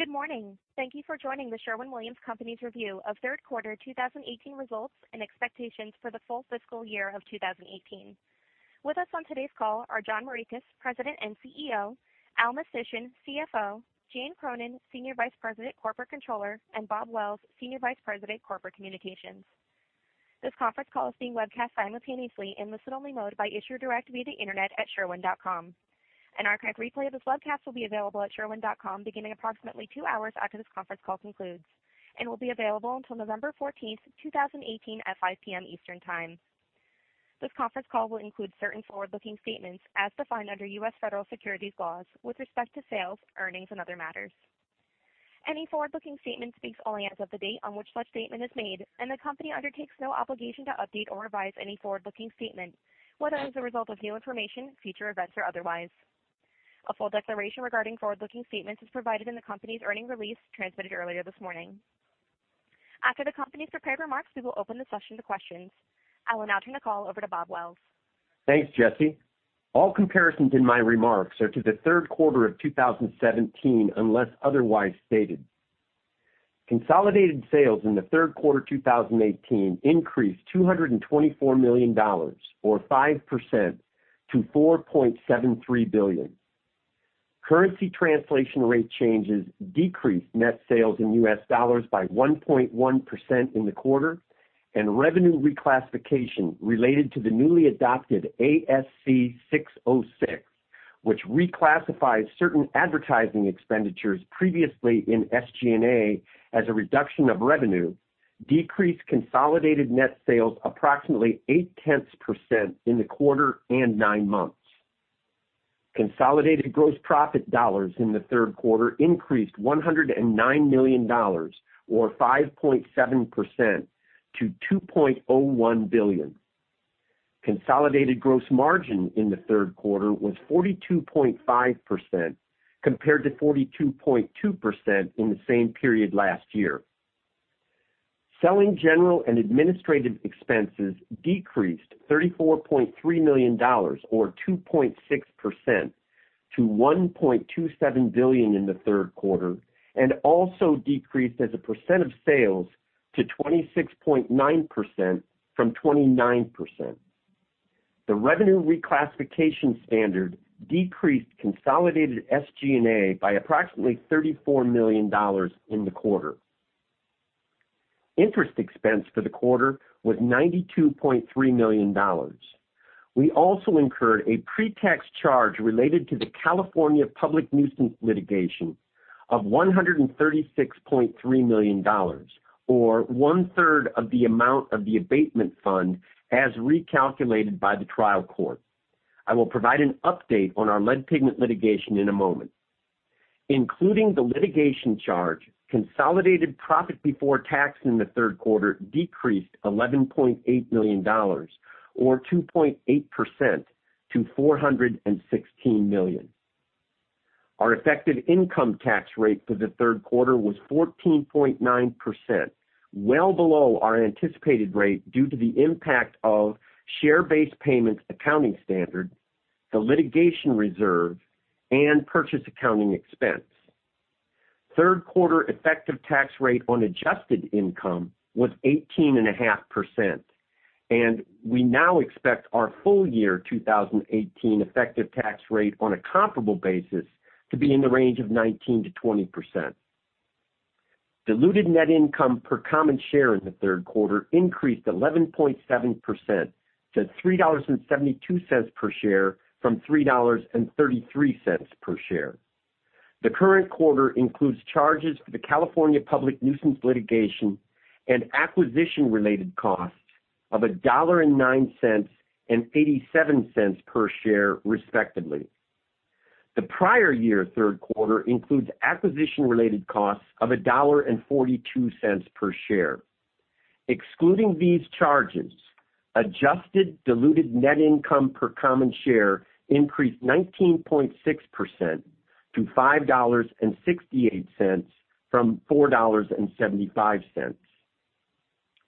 Good morning. Thank you for joining The Sherwin-Williams Company's review of third quarter 2018 results and expectations for the full fiscal year of 2018. With us on today's call are John Morikis, President and CEO, Al Mistysyn, CFO, Jane Cronin, Senior Vice President, Corporate Controller, and Bob Wells, Senior Vice President, Corporate Communications. This conference call is being webcast simultaneously in listen-only mode by Investor Direct via the internet at sherwin-williams.com. An archived replay of this webcast will be available at sherwin-williams.com beginning approximately two hours after this conference call concludes and will be available until November 14th, 2018, at 5:00 P.M. Eastern Time. This conference call will include certain forward-looking statements as defined under U.S. federal securities laws with respect to sales, earnings, and other matters. Any forward-looking statement speaks only as of the date on which such statement is made, and the company undertakes no obligation to update or revise any forward-looking statement, whether as a result of new information, future events, or otherwise. A full declaration regarding forward-looking statements is provided in the company's earnings release transmitted earlier this morning. After the company's prepared remarks, we will open the session to questions. I will now turn the call over to Bob Wells. Thanks, Jessie. All comparisons in my remarks are to the third quarter of 2017, unless otherwise stated. Consolidated sales in the third quarter 2018 increased $224 million, or 5%, to $4.73 billion. Currency translation rate changes decreased net sales in U.S. dollars by 1.1% in the quarter, and revenue reclassification related to the newly adopted ASC 606, which reclassifies certain advertising expenditures previously in SG&A as a reduction of revenue, decreased consolidated net sales approximately 0.8% in the quarter and nine months. Consolidated gross profit dollars in the third quarter increased $109 million or 5.7% to $2.01 billion. Consolidated gross margin in the third quarter was 42.5% compared to 42.2% in the same period last year. Selling, general, and administrative expenses decreased $34.3 million, or 2.6%, to $1.27 billion in the third quarter and also decreased as a percent of sales to 26.9% from 29%. The revenue reclassification standard decreased consolidated SG&A by approximately $34 million in the quarter. Interest expense for the quarter was $92.3 million. We also incurred a pre-tax charge related to the California public nuisance litigation of $136.3 million, or one-third of the amount of the abatement fund as recalculated by the trial court. I will provide an update on our lead pigment litigation in a moment. Including the litigation charge, consolidated profit before tax in the third quarter decreased $11.8 million, or 2.8%, to $416 million. Our effective income tax rate for the third quarter was 14.9%, well below our anticipated rate due to the impact of share-based payments accounting standard, the litigation reserve, and purchase accounting expense. Third quarter effective tax rate on adjusted income was 18.5%. We now expect our full year 2018 effective tax rate on a comparable basis to be in the range of 19%-20%. Diluted net income per common share in the third quarter increased 11.7% to $3.72 per share from $3.33 per share. The current quarter includes charges for the California public nuisance litigation and acquisition-related costs of $1.09 and $0.87 per share, respectively. The prior year third quarter includes acquisition-related costs of $1.42 per share. Excluding these charges, adjusted diluted net income per common share increased 19.6% to $5.68 from $4.75.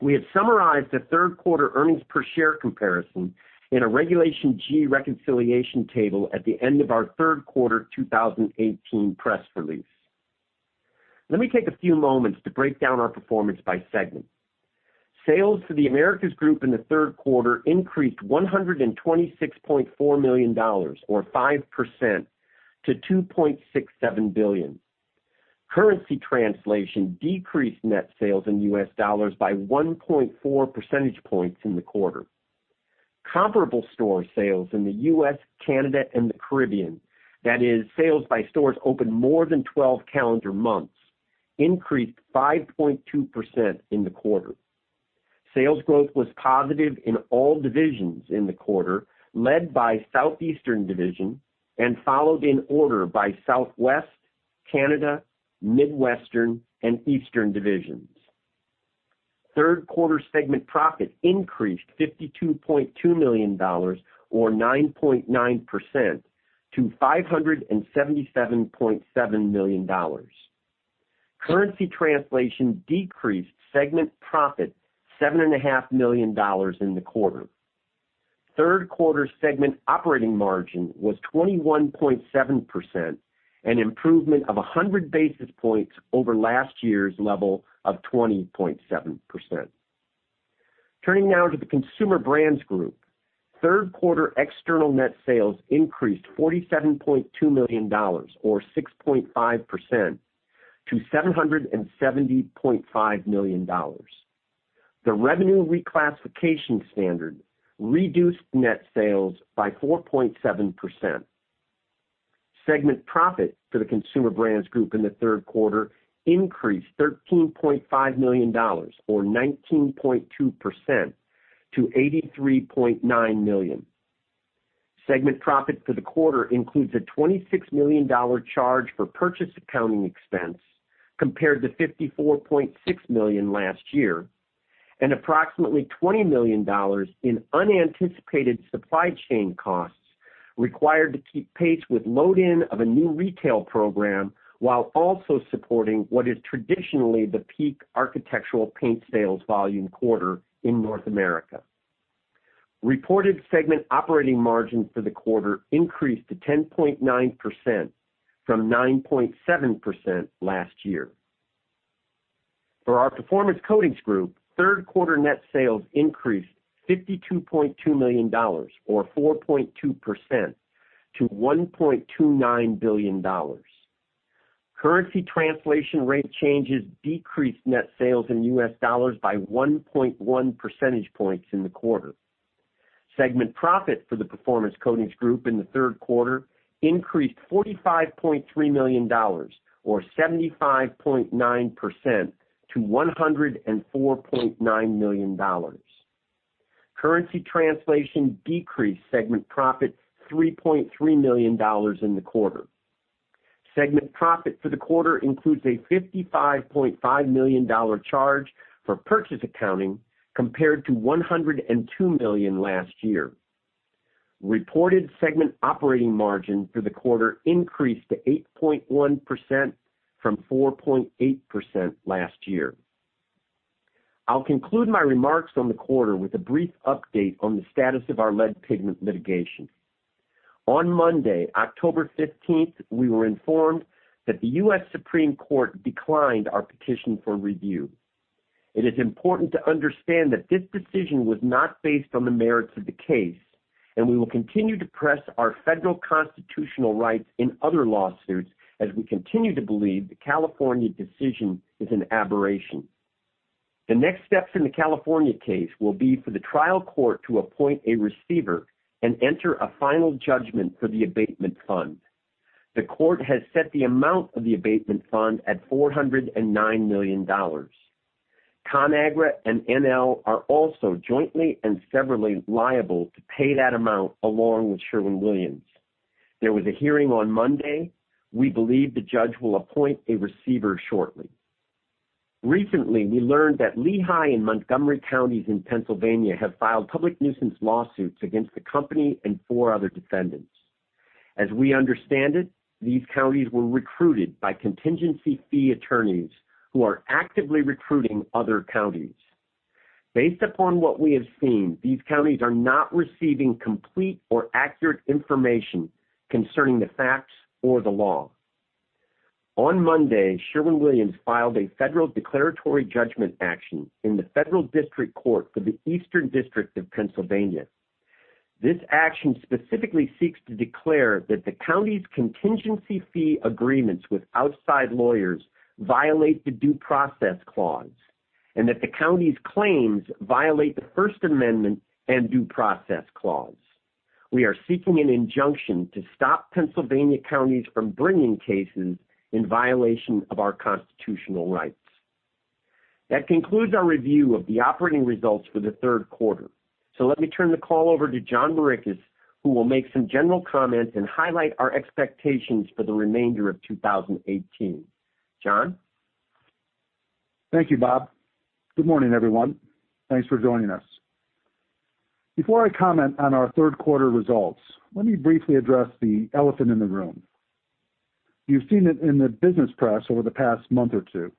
We have summarized the third quarter earnings per share comparison in a Regulation G reconciliation table at the end of our third quarter 2018 press release. Let me take a few moments to break down our performance by segment. Sales to The Americas Group in the third quarter increased $126.4 million or 5% to $2.67 billion. Currency translation decreased net sales in U.S. dollars by 1.4 percentage points in the quarter. Comparable store sales in the U.S., Canada, and the Caribbean, that is sales by stores open more than 12 calendar months, increased 5.2% in the quarter. Sales growth was positive in all divisions in the quarter, led by Southeastern Division and followed in order by Southwest Division, Canada Division, Midwestern Division, and Eastern Division. Third quarter segment profit increased $52.2 million, or 9.9%, to $577.7 million. Currency translation decreased segment profit $7.5 million in the quarter. Third quarter segment operating margin was 21.7%, an improvement of 100 basis points over last year's level of 20.7%. Turning now to the Consumer Brands Group, third quarter external net sales increased $47.2 million, or 6.5%, to $770.5 million. The revenue reclassification standard reduced net sales by 4.7%. Segment profit for the Consumer Brands Group in the third quarter increased $13.5 million, or 19.2%, to $83.9 million. Segment profit for the quarter includes a $26 million charge for purchase accounting expense compared to $54.6 million last year, and approximately $20 million in unanticipated supply chain costs required to keep pace with load-in of a new retail program, while also supporting what is traditionally the peak architectural paint sales volume quarter in North America. Reported segment operating margin for the quarter increased to 10.9% from 9.7% last year. For our Performance Coatings Group, third quarter net sales increased $52.2 million or 4.2% to $1.29 billion. Currency translation rate changes decreased net sales in U.S. dollars by 1.1 percentage points in the quarter. Segment profit for the Performance Coatings Group in the third quarter increased $45.3 million or 75.9% to $104.9 million. Currency translation decreased segment profit $3.3 million in the quarter. Segment profit for the quarter includes a $55.5 million charge for purchase accounting compared to $102 million last year. Reported segment operating margin for the quarter increased to 8.1% from 4.8% last year. I'll conclude my remarks on the quarter with a brief update on the status of our lead pigment litigation. On Monday, October 15th, we were informed that the U.S. Supreme Court declined our petition for review. It is important to understand that this decision was not based on the merits of the case. We will continue to press our federal constitutional rights in other lawsuits as we continue to believe the California decision is an aberration. The next steps in the California case will be for the trial court to appoint a receiver and enter a final judgment for the abatement fund. The court has set the amount of the abatement fund at $409 million. Conagra and NL are also jointly and severally liable to pay that amount along with Sherwin-Williams. There was a hearing on Monday. We believe the judge will appoint a receiver shortly. Recently, we learned that Lehigh and Montgomery counties in Pennsylvania have filed public nuisance lawsuits against the company and four other defendants. As we understand it, these counties were recruited by contingency fee attorneys who are actively recruiting other counties. Based upon what we have seen, these counties are not receiving complete or accurate information concerning the facts or the law. On Monday, Sherwin-Williams filed a federal declaratory judgment action in the Federal District Court for the Eastern District of Pennsylvania. This action specifically seeks to declare that the county's contingency fee agreements with outside lawyers violate the due process clause, and that the county's claims violate the First Amendment and due process clause. We are seeking an injunction to stop Pennsylvania counties from bringing cases in violation of our constitutional rights. That concludes our review of the operating results for the third quarter. Let me turn the call over to John Morikis, who will make some general comments and highlight our expectations for the remainder of 2018. John? Thank you, Bob. Good morning, everyone. Thanks for joining us. Before I comment on our third quarter results, let me briefly address the elephant in the room. You've seen it in the business press over the past month or two,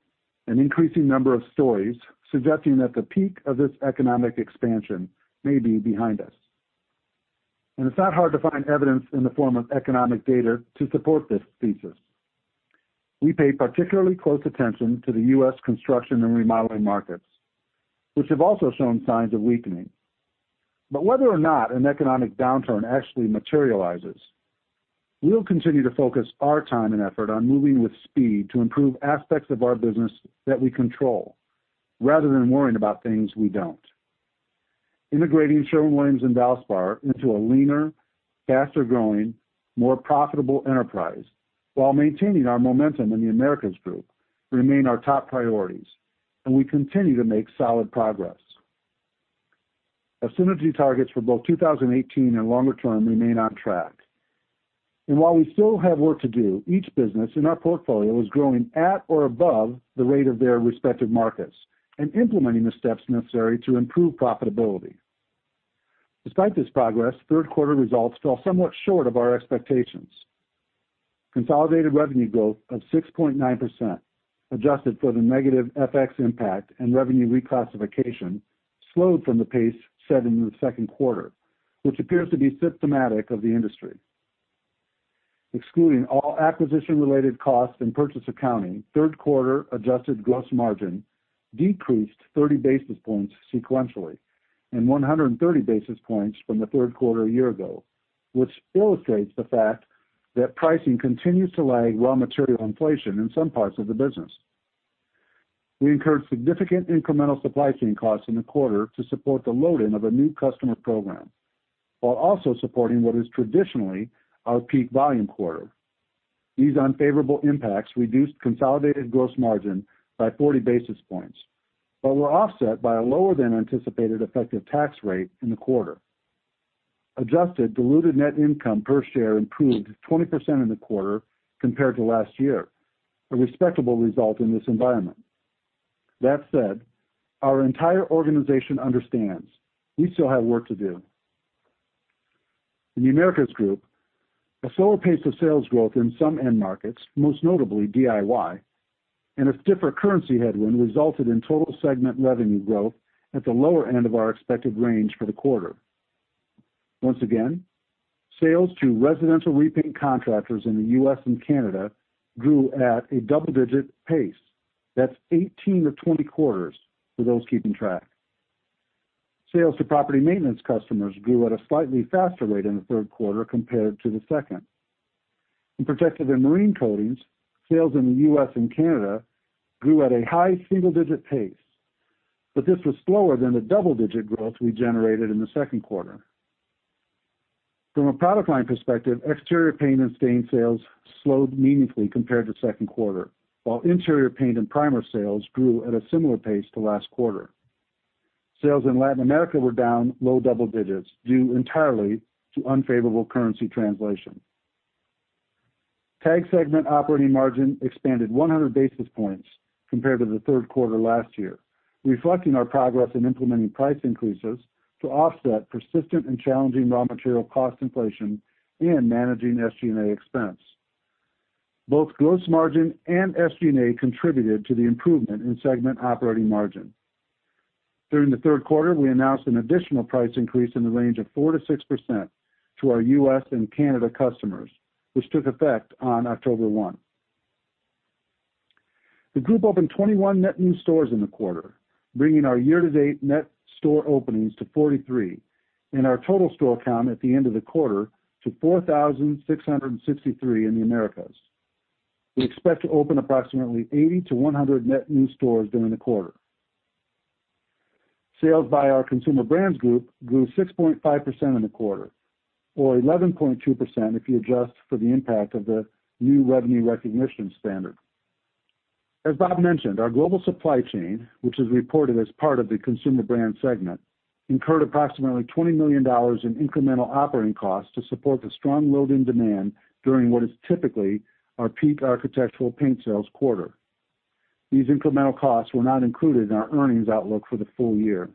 an increasing number of stories suggesting that the peak of this economic expansion may be behind us. It's not hard to find evidence in the form of economic data to support this thesis. We pay particularly close attention to the U.S. construction and remodeling markets, which have also shown signs of weakening. Whether or not an economic downturn actually materializes, we'll continue to focus our time and effort on moving with speed to improve aspects of our business that we control rather than worrying about things we don't. Integrating Sherwin-Williams and Valspar into a leaner, faster-growing, more profitable enterprise while maintaining our momentum in The Americas Group remain our top priorities. We continue to make solid progress. Our synergy targets for both 2018 and longer term remain on track. While we still have work to do, each business in our portfolio is growing at or above the rate of their respective markets and implementing the steps necessary to improve profitability. Despite this progress, third quarter results fell somewhat short of our expectations. Consolidated revenue growth of 6.9%, adjusted for the negative FX impact and revenue reclassification, slowed from the pace set in the second quarter, which appears to be systematic of the industry. Excluding all acquisition-related costs and purchase accounting, third quarter adjusted gross margin decreased 30 basis points sequentially and 130 basis points from the third quarter a year ago, which illustrates the fact that pricing continues to lag raw material inflation in some parts of the business. We incurred significant incremental supply chain costs in the quarter to support the load-in of a new customer program, while also supporting what is traditionally our peak volume quarter. These unfavorable impacts reduced consolidated gross margin by 40 basis points, but were offset by a lower-than-anticipated effective tax rate in the quarter. Adjusted diluted net income per share improved 20% in the quarter compared to last year, a respectable result in this environment. That said, our entire organization understands we still have work to do. In The Americas Group, a slower pace of sales growth in some end markets, most notably DIY, and a stiffer currency headwind resulted in total segment revenue growth at the lower end of our expected range for the quarter. Once again, sales to residential repaint contractors in the U.S. and Canada grew at a double-digit pace. That's 18 of 20 quarters, for those keeping track. Sales to property maintenance customers grew at a slightly faster rate in the third quarter compared to the second. In Protective and Marine Coatings, sales in the U.S. and Canada grew at a high single-digit pace, but this was slower than the double-digit growth we generated in the second quarter. From a product line perspective, exterior paint and stain sales slowed meaningfully compared to second quarter, while interior paint and primer sales grew at a similar pace to last quarter. Sales in Latin America were down low double digits, due entirely to unfavorable currency translation. TAG segment operating margin expanded 100 basis points compared to the third quarter last year, reflecting our progress in implementing price increases to offset persistent and challenging raw material cost inflation and managing SG&A expense. Both gross margin and SG&A contributed to the improvement in segment operating margin. During the third quarter, we announced an additional price increase in the range of 4%-6% to our U.S. and Canada customers, which took effect on October 1. The group opened 21 net new stores in the quarter, bringing our year-to-date net store openings to 43, and our total store count at the end of the quarter to 4,663 in The Americas. We expect to open approximately 80 to 100 net new stores during the quarter. Sales by our Consumer Brands Group grew 6.5% in the quarter, or 11.2% if you adjust for the impact of the new revenue recognition standard. As Bob mentioned, our global supply chain, which is reported as part of the Consumer Brands segment, incurred approximately $20 million in incremental operating costs to support the strong load-in demand during what is typically our peak architectural paint sales quarter. These incremental costs were not included in our earnings outlook for the full year.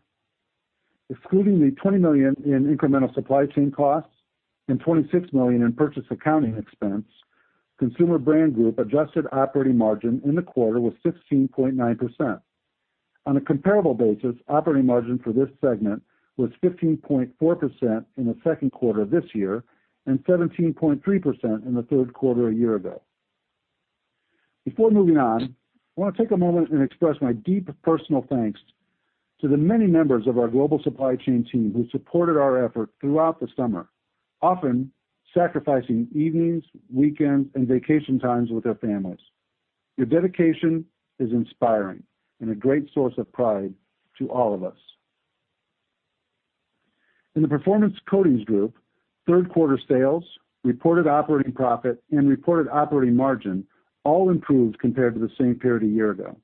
Excluding the $20 million in incremental supply chain costs and $26 million in purchase accounting expense, Consumer Brands Group adjusted operating margin in the quarter was 16.9%. On a comparable basis, operating margin for this segment was 15.4% in the second quarter of this year and 17.3% in the third quarter a year ago. Before moving on, I want to take a moment and express my deep personal thanks to the many members of our global supply chain team who supported our effort throughout the summer, often sacrificing evenings, weekends, and vacation times with their families. Your dedication is inspiring and a great source of pride to all of us. In the Performance Coatings Group, third quarter sales, reported operating profit, and reported operating margin all improved compared to the same period a year ago.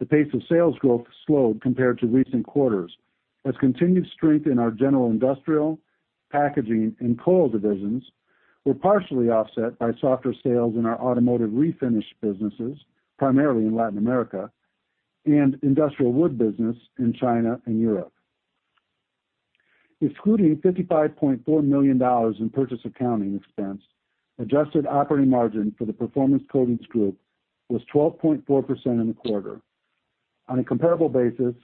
The pace of sales growth slowed compared to recent quarters as continued strength in our general industrial, packaging, and coil divisions were partially offset by softer sales in our automotive refinish businesses, primarily in Latin America, and industrial wood business in China and Europe. Excluding $55.4 million in purchase accounting expense, adjusted operating margin for the Performance Coatings Group was 12.4% in the quarter. On a comparable basis,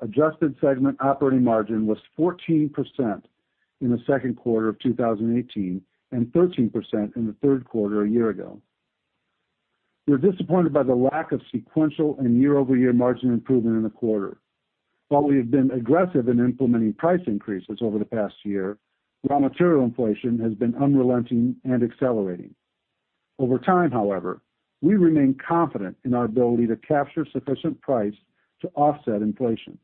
adjusted segment operating margin was 14% in the second quarter of 2018 and 13% in the third quarter a year ago. We are disappointed by the lack of sequential and year-over-year margin improvement in the quarter. While we have been aggressive in implementing price increases over the past year, raw material inflation has been unrelenting and accelerating. Over time, however, we remain confident in our ability to capture sufficient price to offset inflation.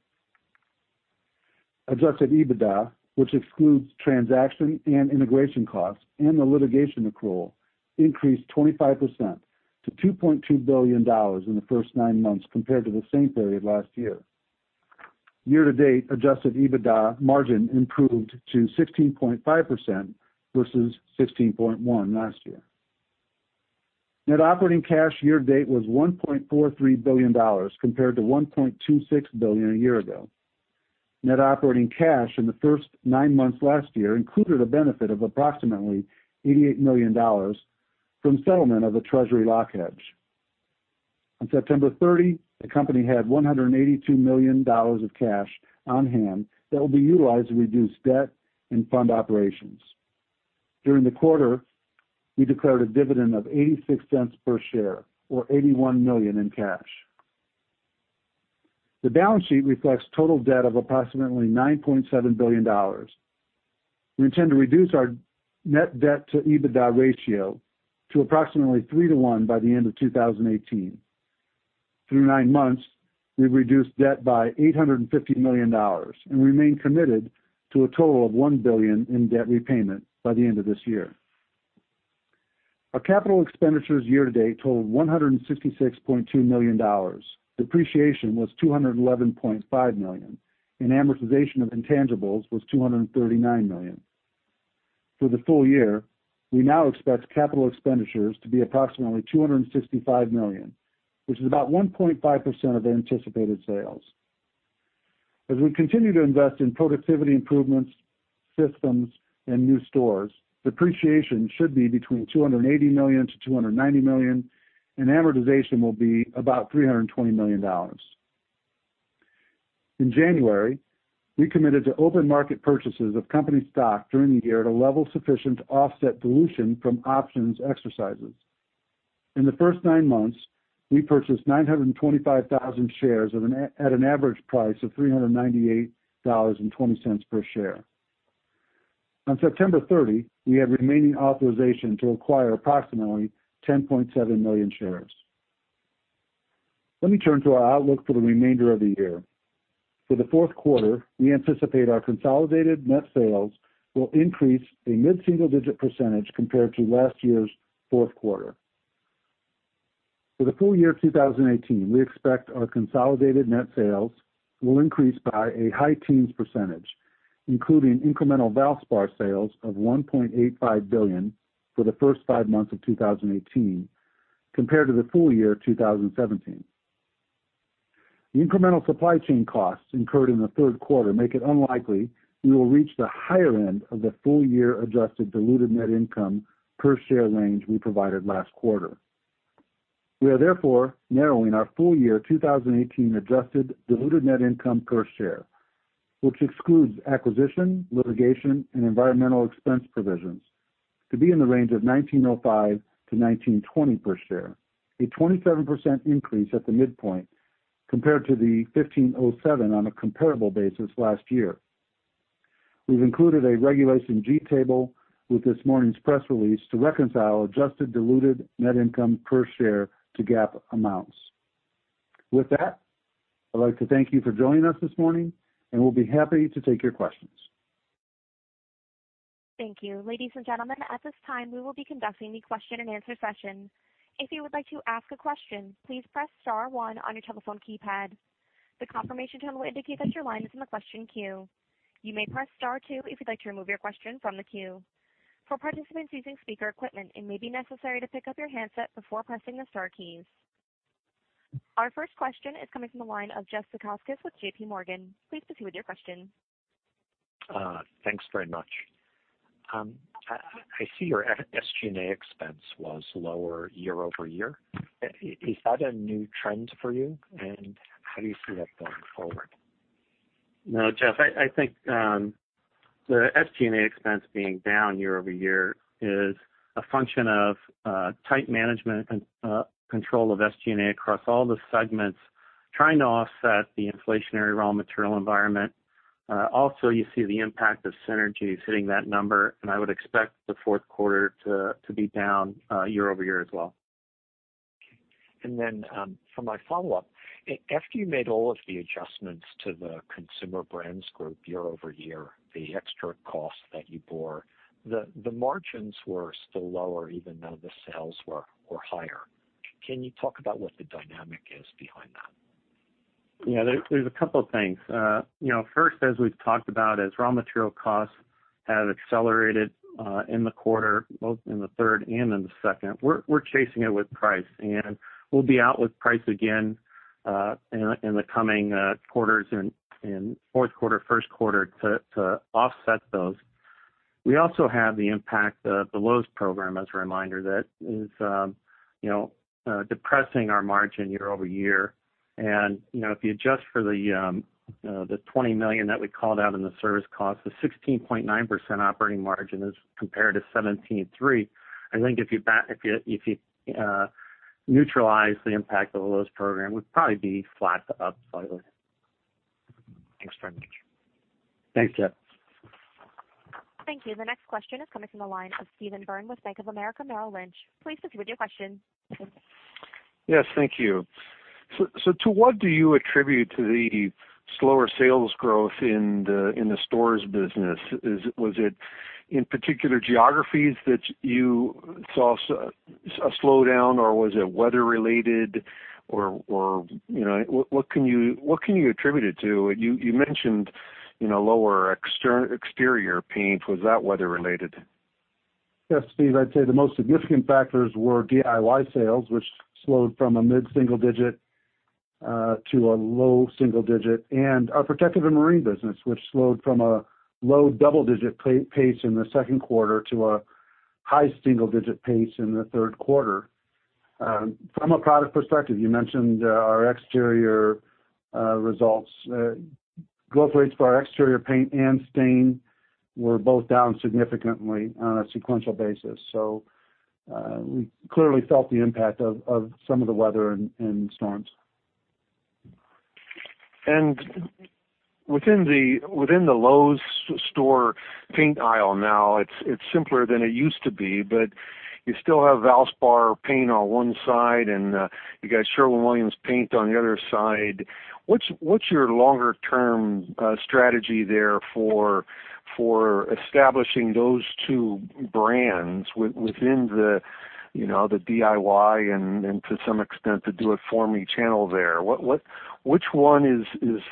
Adjusted EBITDA, which excludes transaction and integration costs and the litigation accrual, increased 25% to $2.2 billion in the first nine months compared to the same period last year. Year-to-date adjusted EBITDA margin improved to 16.5% versus 16.1% last year. Net operating cash year-to-date was $1.43 billion compared to $1.26 billion a year ago. Net operating cash in the first nine months last year included a benefit of approximately $88 million from settlement of a treasury lock hedge. On September 30, the company had $182 million of cash on hand that will be utilized to reduce debt and fund operations. During the quarter, we declared a dividend of $0.86 per share or $81 million in cash. The balance sheet reflects total debt of approximately $9.7 billion. We intend to reduce our net debt to EBITDA ratio to approximately three to one by the end of 2018. Through nine months, we have reduced debt by $850 million and remain committed to a total of $1 billion in debt repayment by the end of this year. Our capital expenditures year-to-date totaled $166.2 million. Depreciation was $211.5 million, and amortization of intangibles was $239 million. For the full year, we now expect capital expenditures to be approximately $265 million, which is about 1.5% of anticipated sales. As we continue to invest in productivity improvements, systems, and new stores, depreciation should be between $280 million-$290 million, and amortization will be about $320 million. In January, we committed to open market purchases of company stock during the year at a level sufficient to offset dilution from options exercises. In the first nine months, we purchased 925,000 shares at an average price of $398.20 per share. On September 30, we have remaining authorization to acquire approximately 10.7 million shares. Let me turn to our outlook for the remainder of the year. For the fourth quarter, we anticipate our consolidated net sales will increase a mid-single-digit percentage compared to last year's fourth quarter. For the full year 2018, we expect our consolidated net sales will increase by a high teens percentage, including incremental Valspar sales of $1.85 billion for the first five months of 2018 compared to the full year 2017. The incremental supply chain costs incurred in the third quarter make it unlikely we will reach the higher end of the full-year adjusted diluted net income per share range we provided last quarter. We are narrowing our full-year 2018 adjusted diluted net income per share, which excludes acquisition, litigation, and environmental expense provisions, to be in the range of $19.05 to $19.20 per share, a 27% increase at the midpoint compared to the $15.07 on a comparable basis last year. We've included a Regulation G table with this morning's press release to reconcile adjusted diluted net income per share to GAAP amounts. With that, I'd like to thank you for joining us this morning. We'll be happy to take your questions. Thank you. Ladies and gentlemen, at this time, we will be conducting the question and answer session. If you would like to ask a question, please press star one on your telephone keypad. The confirmation tone will indicate that your line is in the question queue. You may press star two if you'd like to remove your question from the queue. For participants using speaker equipment, it may be necessary to pick up your handset before pressing the star keys. Our first question is coming from the line of Jeff Zekauskas with J.P. Morgan. Please proceed with your question. Thanks very much. I see your SG&A expense was lower year-over-year. Is that a new trend for you? How do you see that going forward? No, Jeff, I think the SG&A expense being down year-over-year is a function of tight management and control of SG&A across all the segments trying to offset the inflationary raw material environment. You see the impact of synergies hitting that number, and I would expect the fourth quarter to be down year-over-year as well. Okay. For my follow-up, after you made all of the adjustments to the Consumer Brands Group year-over-year, the extra cost that you bore, the margins were still lower even though the sales were higher. Can you talk about what the dynamic is behind that? Yeah, there's a couple of things. First, as we've talked about, as raw material costs have accelerated in the quarter, both in the third and in the second, we're chasing it with price, and we'll be out with price again in the coming quarters, in fourth quarter, first quarter to offset those. We also have the impact of the Lowe's program as a reminder that is depressing our margin year-over-year. If you adjust for the $20 million that we called out in the service cost, the 16.9% operating margin is compared to 17.3%. I think if you neutralize the impact of the Lowe's program, we'd probably be flat to up slightly. Thanks very much. Thanks, Jeff. Thank you. The next question is coming from the line of Steve Byrne with Bank of America Merrill Lynch. Please proceed with your question. Yes, thank you. To what do you attribute to the slower sales growth in the stores business? Was it in particular geographies that you saw a slowdown, or was it weather related, or what can you attribute it to? You mentioned lower exterior paint. Was that weather related? Yes, Steve, I'd say the most significant factors were DIY sales, which slowed from a mid-single digit to a low single digit, and our protective and marine business, which slowed from a low double-digit pace in the second quarter to a high single-digit pace in the third quarter. From a product perspective, you mentioned our exterior results. Growth rates for our exterior paint and stain were both down significantly on a sequential basis. We clearly felt the impact of some of the weather and storms. Within the Lowe's store paint aisle now, it's simpler than it used to be, but you still have Valspar paint on one side and you got Sherwin-Williams paint on the other side. What's your longer-term strategy there for establishing those two brands within the DIY and to some extent, the do-it-for-me channel there? Which one is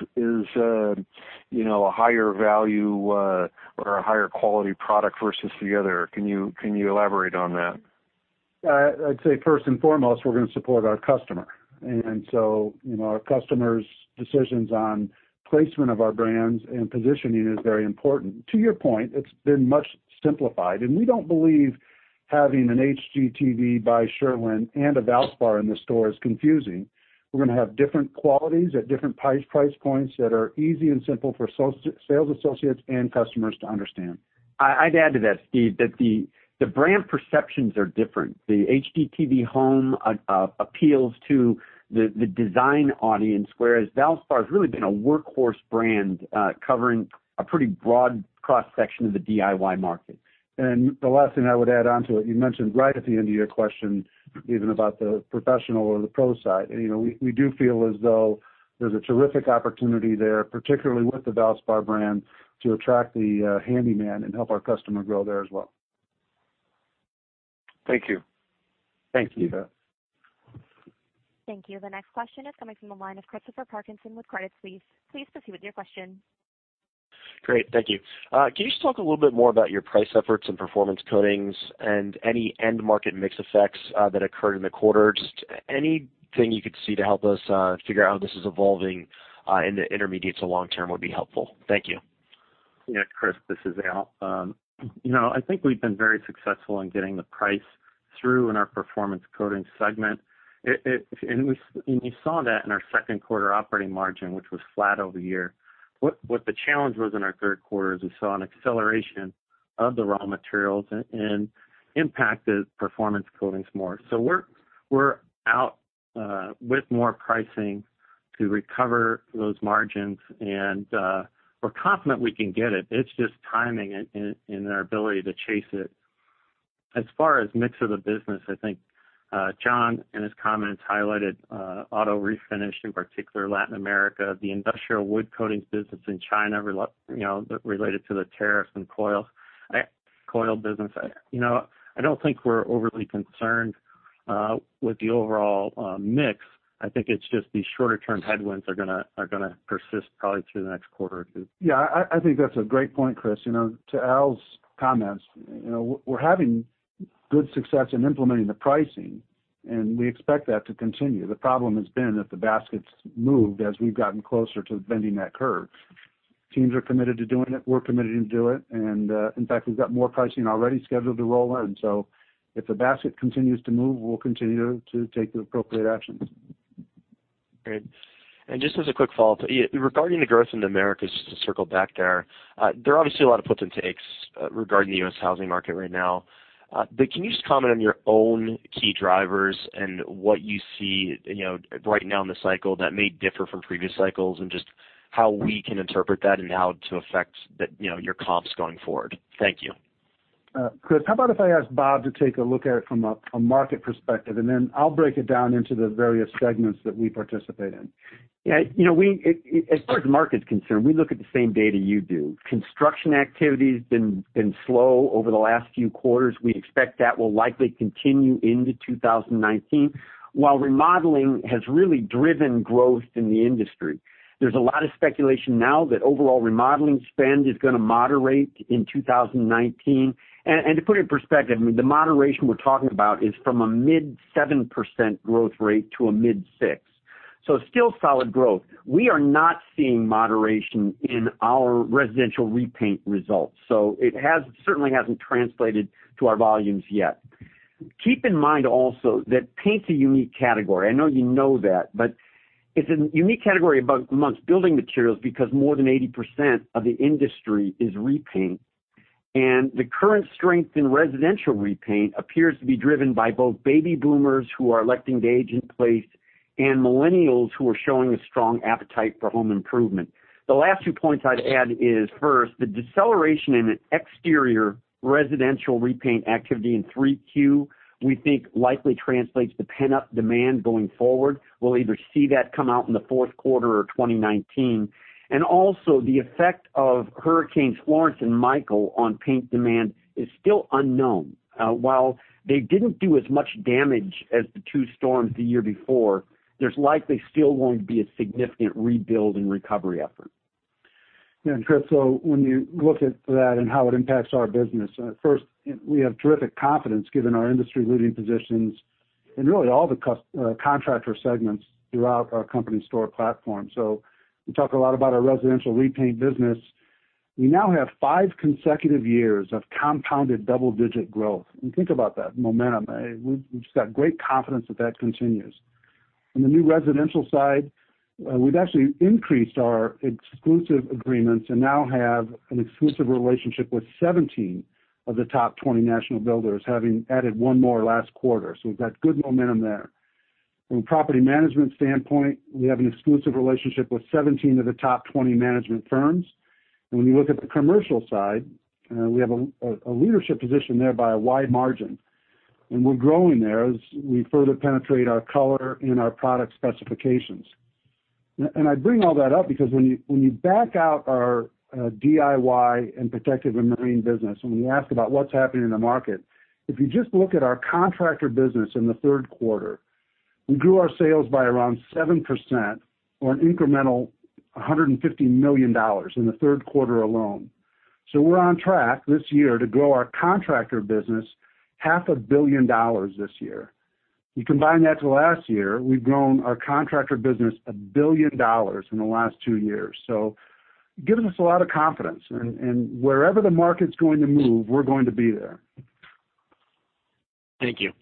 a higher value or a higher quality product versus the other? Can you elaborate on that? I'd say first and foremost, we're going to support our customer. Our customers' decisions on placement of our brands and positioning is very important. To your point, it's been much simplified, and we don't believe having an HGTV by Sherwin-Williams and a Valspar in the store is confusing. We're going to have different qualities at different price points that are easy and simple for sales associates and customers to understand. I'd add to that, Steve, that the brand perceptions are different. The HGTV Home appeals to the design audience, whereas Valspar has really been a workhorse brand, covering a pretty broad cross-section of the DIY market. The last thing I would add onto it, you mentioned right at the end of your question, even about the professional or the pro side. We do feel as though there's a terrific opportunity there, particularly with the Valspar brand, to attract the handyman and help our customer grow there as well. Thank you. Thank you. Thank you. Thank you. The next question is coming from the line of Christopher Parkinson with Credit Suisse. Please proceed with your question. Great. Thank you. Can you just talk a little bit more about your price efforts in Performance Coatings and any end market mix effects that occurred in the quarter? Just anything you could see to help us figure out how this is evolving in the intermediate to long term would be helpful. Thank you. Yeah, Chris, this is Al. I think we've been very successful in getting the price through in our Performance Coatings segment. You saw that in our second quarter operating margin, which was flat year-over-year. What the challenge was in our third quarter is we saw an acceleration of the raw materials and impacted Performance Coatings more. We're out with more pricing to recover those margins, and we're confident we can get it. It's just timing and our ability to chase it. As far as mix of the business, I think John, in his comments, highlighted auto refinish, in particular Latin America, the industrial wood coatings business in China, related to the tariffs and coil business. I don't think we're overly concerned with the overall mix. I think it's just these shorter-term headwinds are going to persist probably through the next quarter or two. Yeah, I think that's a great point, Chris. To Al's comments, we're having good success in implementing the pricing, and we expect that to continue. The problem has been that the basket's moved as we've gotten closer to bending that curve. Teams are committed to doing it. We're committed to do it. In fact, we've got more pricing already scheduled to roll in. If the basket continues to move, we'll continue to take the appropriate actions. Great. Just as a quick follow-up, regarding the growth in the Americas, just to circle back there. There are obviously a lot of puts and takes regarding the U.S. housing market right now. Can you just comment on your own key drivers and what you see right now in the cycle that may differ from previous cycles and just how we can interpret that and how it affects your comps going forward? Thank you. Chris, how about if I ask Bob to take a look at it from a market perspective, and then I'll break it down into the various segments that we participate in. Yeah. As far as the market's concerned, we look at the same data you do. Construction activity's been slow over the last few quarters. We expect that will likely continue into 2019, while remodeling has really driven growth in the industry. There's a lot of speculation now that overall remodeling spend is going to moderate in 2019. To put it in perspective, the moderation we're talking about is from a mid 7% growth rate to a mid 6%. Still solid growth. We are not seeing moderation in our residential repaint results, so it certainly hasn't translated to our volumes yet. Keep in mind also that paint's a unique category. I know you know that, but it's a unique category amongst building materials because more than 80% of the industry is repaint. The current strength in residential repaint appears to be driven by both baby boomers who are electing to age in place and millennials who are showing a strong appetite for home improvement. The last two points I'd add is, first, the deceleration in exterior residential repaint activity in 3Q, we think likely translates to pent-up demand going forward. We'll either see that come out in the fourth quarter or 2019. Also, the effect of Hurricane Florence and Hurricane Michael on paint demand is still unknown. While they didn't do as much damage as the two storms the year before, there's likely still going to be a significant rebuild and recovery effort. Chris, when you look at that and how it impacts our business, first, we have terrific confidence given our industry-leading positions in really all the contractor segments throughout our company store platform. We talk a lot about our residential repaint business. We now have five consecutive years of compounded double-digit growth. Think about that momentum. We've just got great confidence that continues. On the new residential side, we've actually increased our exclusive agreements and now have an exclusive relationship with 17 of the top 20 national builders, having added one more last quarter. We've got good momentum there. From a property management standpoint, we have an exclusive relationship with 17 of the top 20 management firms. When you look at the commercial side, we have a leadership position there by a wide margin. We're growing there as we further penetrate our color and our product specifications. I bring all that up because when you back out our DIY and protective and marine business, when we ask about what's happening in the market, if you just look at our contractor business in the third quarter, we grew our sales by around 7% or an incremental $150 million in the third quarter alone. We're on track this year to grow our contractor business half a billion dollars this year. You combine that to last year, we've grown our contractor business a billion dollars in the last two years. It gives us a lot of confidence, and wherever the market's going to move, we're going to be there. Thank you.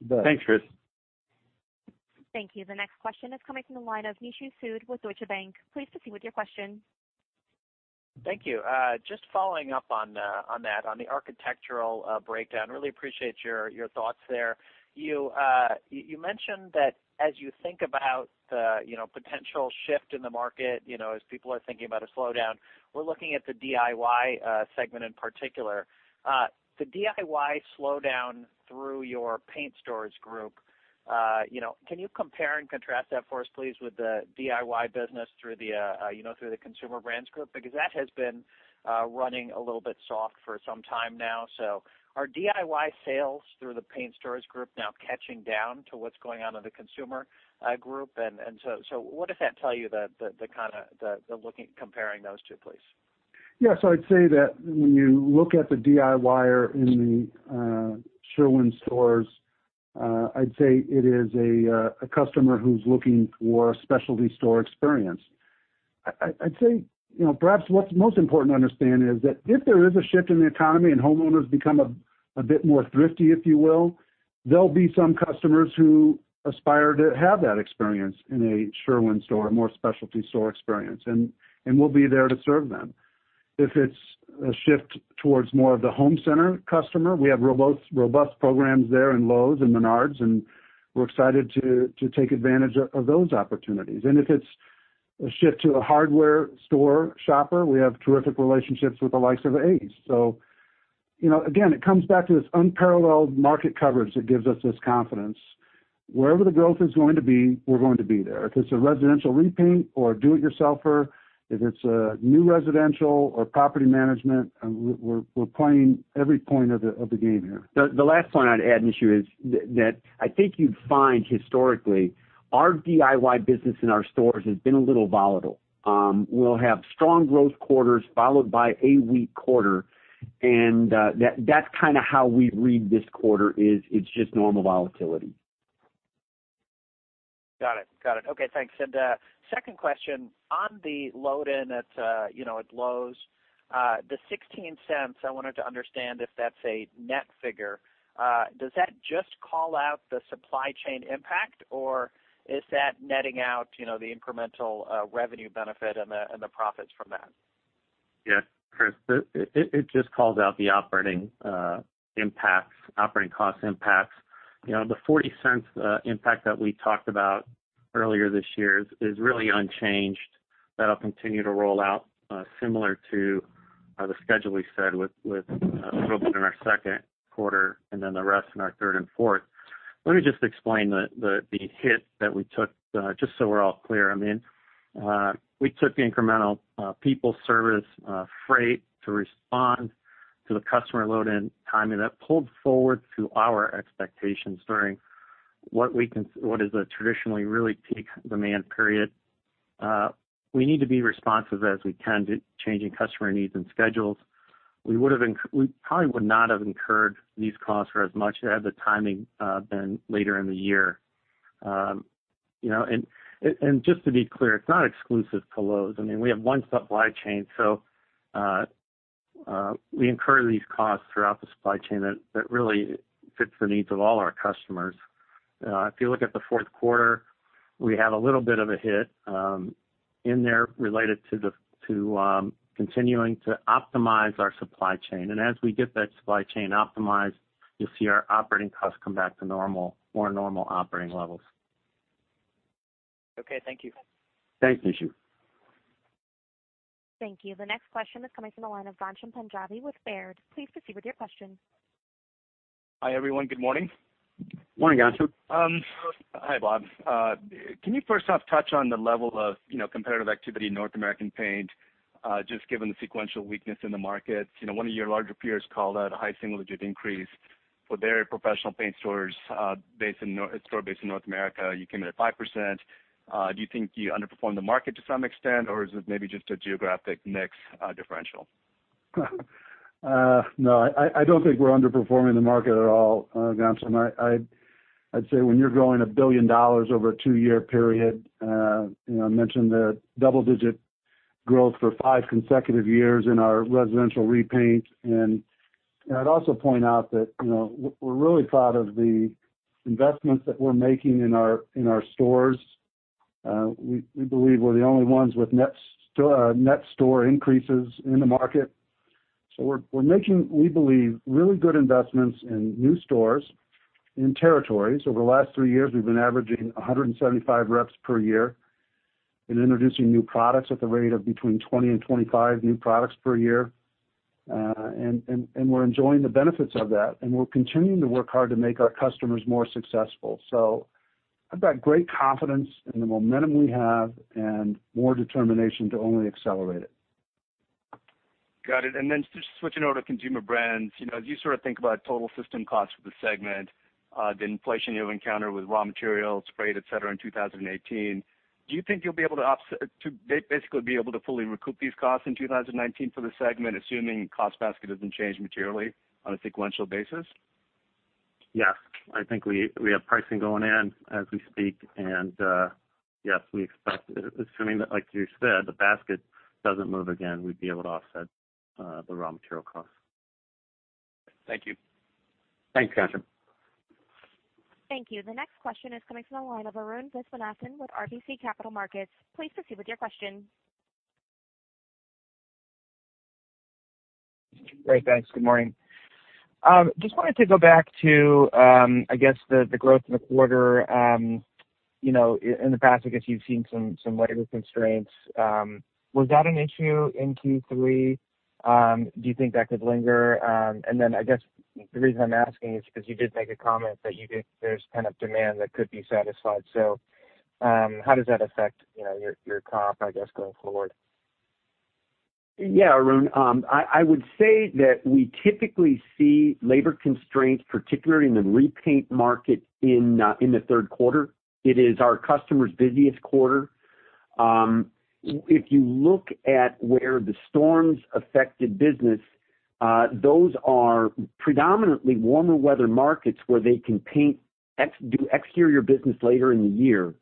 You bet. Thanks, Chris. Thank you. The next question is coming from the line of Nishu Sood with Deutsche Bank. Please proceed with your question. Thank you. Just following up on that, on the architectural breakdown. Really appreciate your thoughts there. You mentioned that as you think about the potential shift in the market, as people are thinking about a slowdown, we're looking at the DIY segment in particular. The DIY slowdown through your paint stores group, can you compare and contrast that for us, please, with the DIY business through the Consumer Brands Group? That has been running a little bit soft for some time now. Are DIY sales through the paint stores group now catching down to what's going on in the consumer group? What does that tell you, the kind of looking, comparing those two, please? I'd say that when you look at the DIYer in the Sherwin stores, I'd say it is a customer who's looking for a specialty store experience. I'd say perhaps what's most important to understand is that if there is a shift in the economy and homeowners become a bit more thrifty, if you will, there'll be some customers who aspire to have that experience in a Sherwin store, a more specialty store experience. We'll be there to serve them. If it's a shift towards more of the home center customer, we have robust programs there in Lowe's and Menards, we're excited to take advantage of those opportunities. If it's a shift to a hardware store shopper, we have terrific relationships with the likes of Ace. Again, it comes back to this unparalleled market coverage that gives us this confidence. Wherever the growth is going to be, we're going to be there. If it's a residential repaint or a do-it-yourselfer, if it's a new residential or property management, we're playing every point of the game here. The last point I'd add, Nishu, is that I think you'd find historically, our DIY business in our stores has been a little volatile. We'll have strong growth quarters followed by a weak quarter, and that's kind of how we read this quarter is it's just normal volatility. Got it. Okay, thanks. Second question, on the load-in at Lowe's, the $0.16, I wanted to understand if that's a net figure. Does that just call out the supply chain impact, or is that netting out the incremental revenue benefit and the profits from that? Yeah. Chris, it just calls out the operating cost impacts. The $0.40 impact that we talked about earlier this year is really unchanged. That'll continue to roll out similar to the schedule we said with a little bit in our second quarter and then the rest in our third and fourth. Let me just explain the hit that we took just so we're all clear. We took the incremental people service freight to respond to the customer load-in timing that pulled forward to our expectations during what is a traditionally really peak demand period. We need to be responsive as we can to changing customer needs and schedules. We probably would not have incurred these costs for as much had the timing been later in the year. Just to be clear, it's not exclusive to Lowe's. We have one supply chain, so we incur these costs throughout the supply chain that really fits the needs of all our customers. If you look at the fourth quarter, we had a little bit of a hit in there related to continuing to optimize our supply chain. As we get that supply chain optimized, you'll see our operating costs come back to more normal operating levels. Okay. Thank you. Thanks, Nishu. Thank you. The next question is coming from the line of Ghansham Panjabi with Baird. Please proceed with your question. Hi, everyone. Good morning. Morning, Ghansham. Hi, Bob. Can you first off touch on the level of competitive activity in North American Paint, just given the sequential weakness in the markets? One of your larger peers called out a high single-digit increase for very professional paint stores based in North America, you came in at 5%. Do you think you underperformed the market to some extent, or is it maybe just a geographic mix differential? I don't think we're underperforming the market at all, Ghansham. I'd say when you're growing $1 billion over a two-year period, I mentioned the double-digit growth for five consecutive years in our residential repaint. I'd also point out that we're really proud of the investments that we're making in our stores. We believe we're the only ones with net store increases in the market. We're making, we believe, really good investments in new stores and territories. Over the last three years, we've been averaging 175 reps per year and introducing new products at the rate of between 20 and 25 new products per year. We're enjoying the benefits of that, and we're continuing to work hard to make our customers more successful. I've got great confidence in the momentum we have and more determination to only accelerate it. Got it. Then just switching over to Consumer Brands, as you think about total system costs for the segment, the inflation you'll encounter with raw materials, freight, et cetera, in 2018, do you think you'll be able to basically fully recoup these costs in 2019 for the segment, assuming cost basket doesn't change materially on a sequential basis? Yes. I think we have pricing going in as we speak. Yes, we expect, assuming that, like you said, the basket doesn't move again, we'd be able to offset the raw material costs. Thank you. Thanks, Ghansham. Thank you. The next question is coming from the line of Arun Viswanathan with RBC Capital Markets. Please proceed with your question. Great. Thanks. Good morning. Just wanted to go back to, I guess, the growth in the quarter. In the past, I guess you've seen some labor constraints. Was that an issue in Q3? Do you think that could linger? I guess the reason I'm asking is because you did make a comment that there's demand that could be satisfied. How does that affect your comp, I guess, going forward? Yeah, Arun. I would say that we typically see labor constraints, particularly in the repaint market in the third quarter. It is our customers' busiest quarter. If you look at where the storms affected business, those are predominantly warmer weather markets where they can paint, do exterior business later in the year.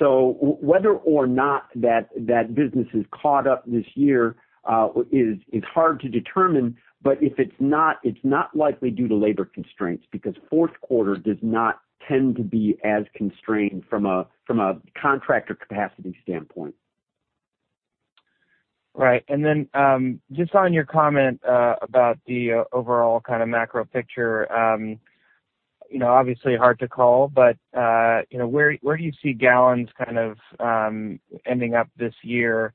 Whether or not that business is caught up this year is hard to determine. If it's not, it's not likely due to labor constraints, because fourth quarter does not tend to be as constrained from a contractor capacity standpoint. Right. Just on your comment about the overall macro picture, obviously hard to call, but where do you see gallons ending up this year?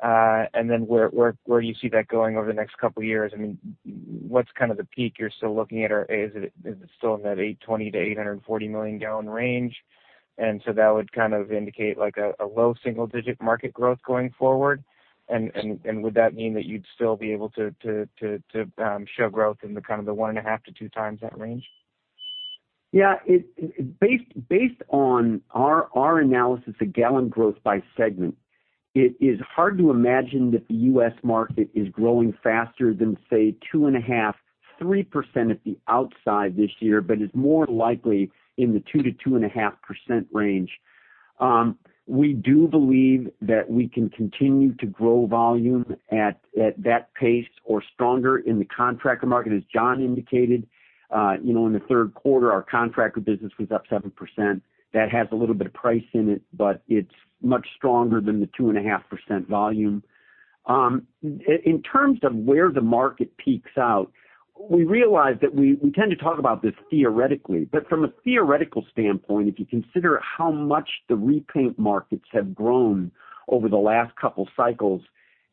Where do you see that going over the next couple of years? What's the peak you're still looking at, or is it still in that 820 to 840 million gallon range? That would indicate a low single-digit market growth going forward. Would that mean that you'd still be able to show growth in the one and a half to two times that range? Yeah. Based on our analysis of gallon growth by segment, it is hard to imagine that the U.S. market is growing faster than, say, 2.5%, 3% at the outside this year, but is more likely in the 2%-2.5% range. We do believe that we can continue to grow volume at that pace or stronger in the contractor market, as John indicated. In the third quarter, our contractor business was up 7%. That has a little bit of price in it, but it's much stronger than the 2.5% volume. In terms of where the market peaks out, we realize that we tend to talk about this theoretically, but from a theoretical standpoint, if you consider how much the repaint markets have grown over the last couple of cycles,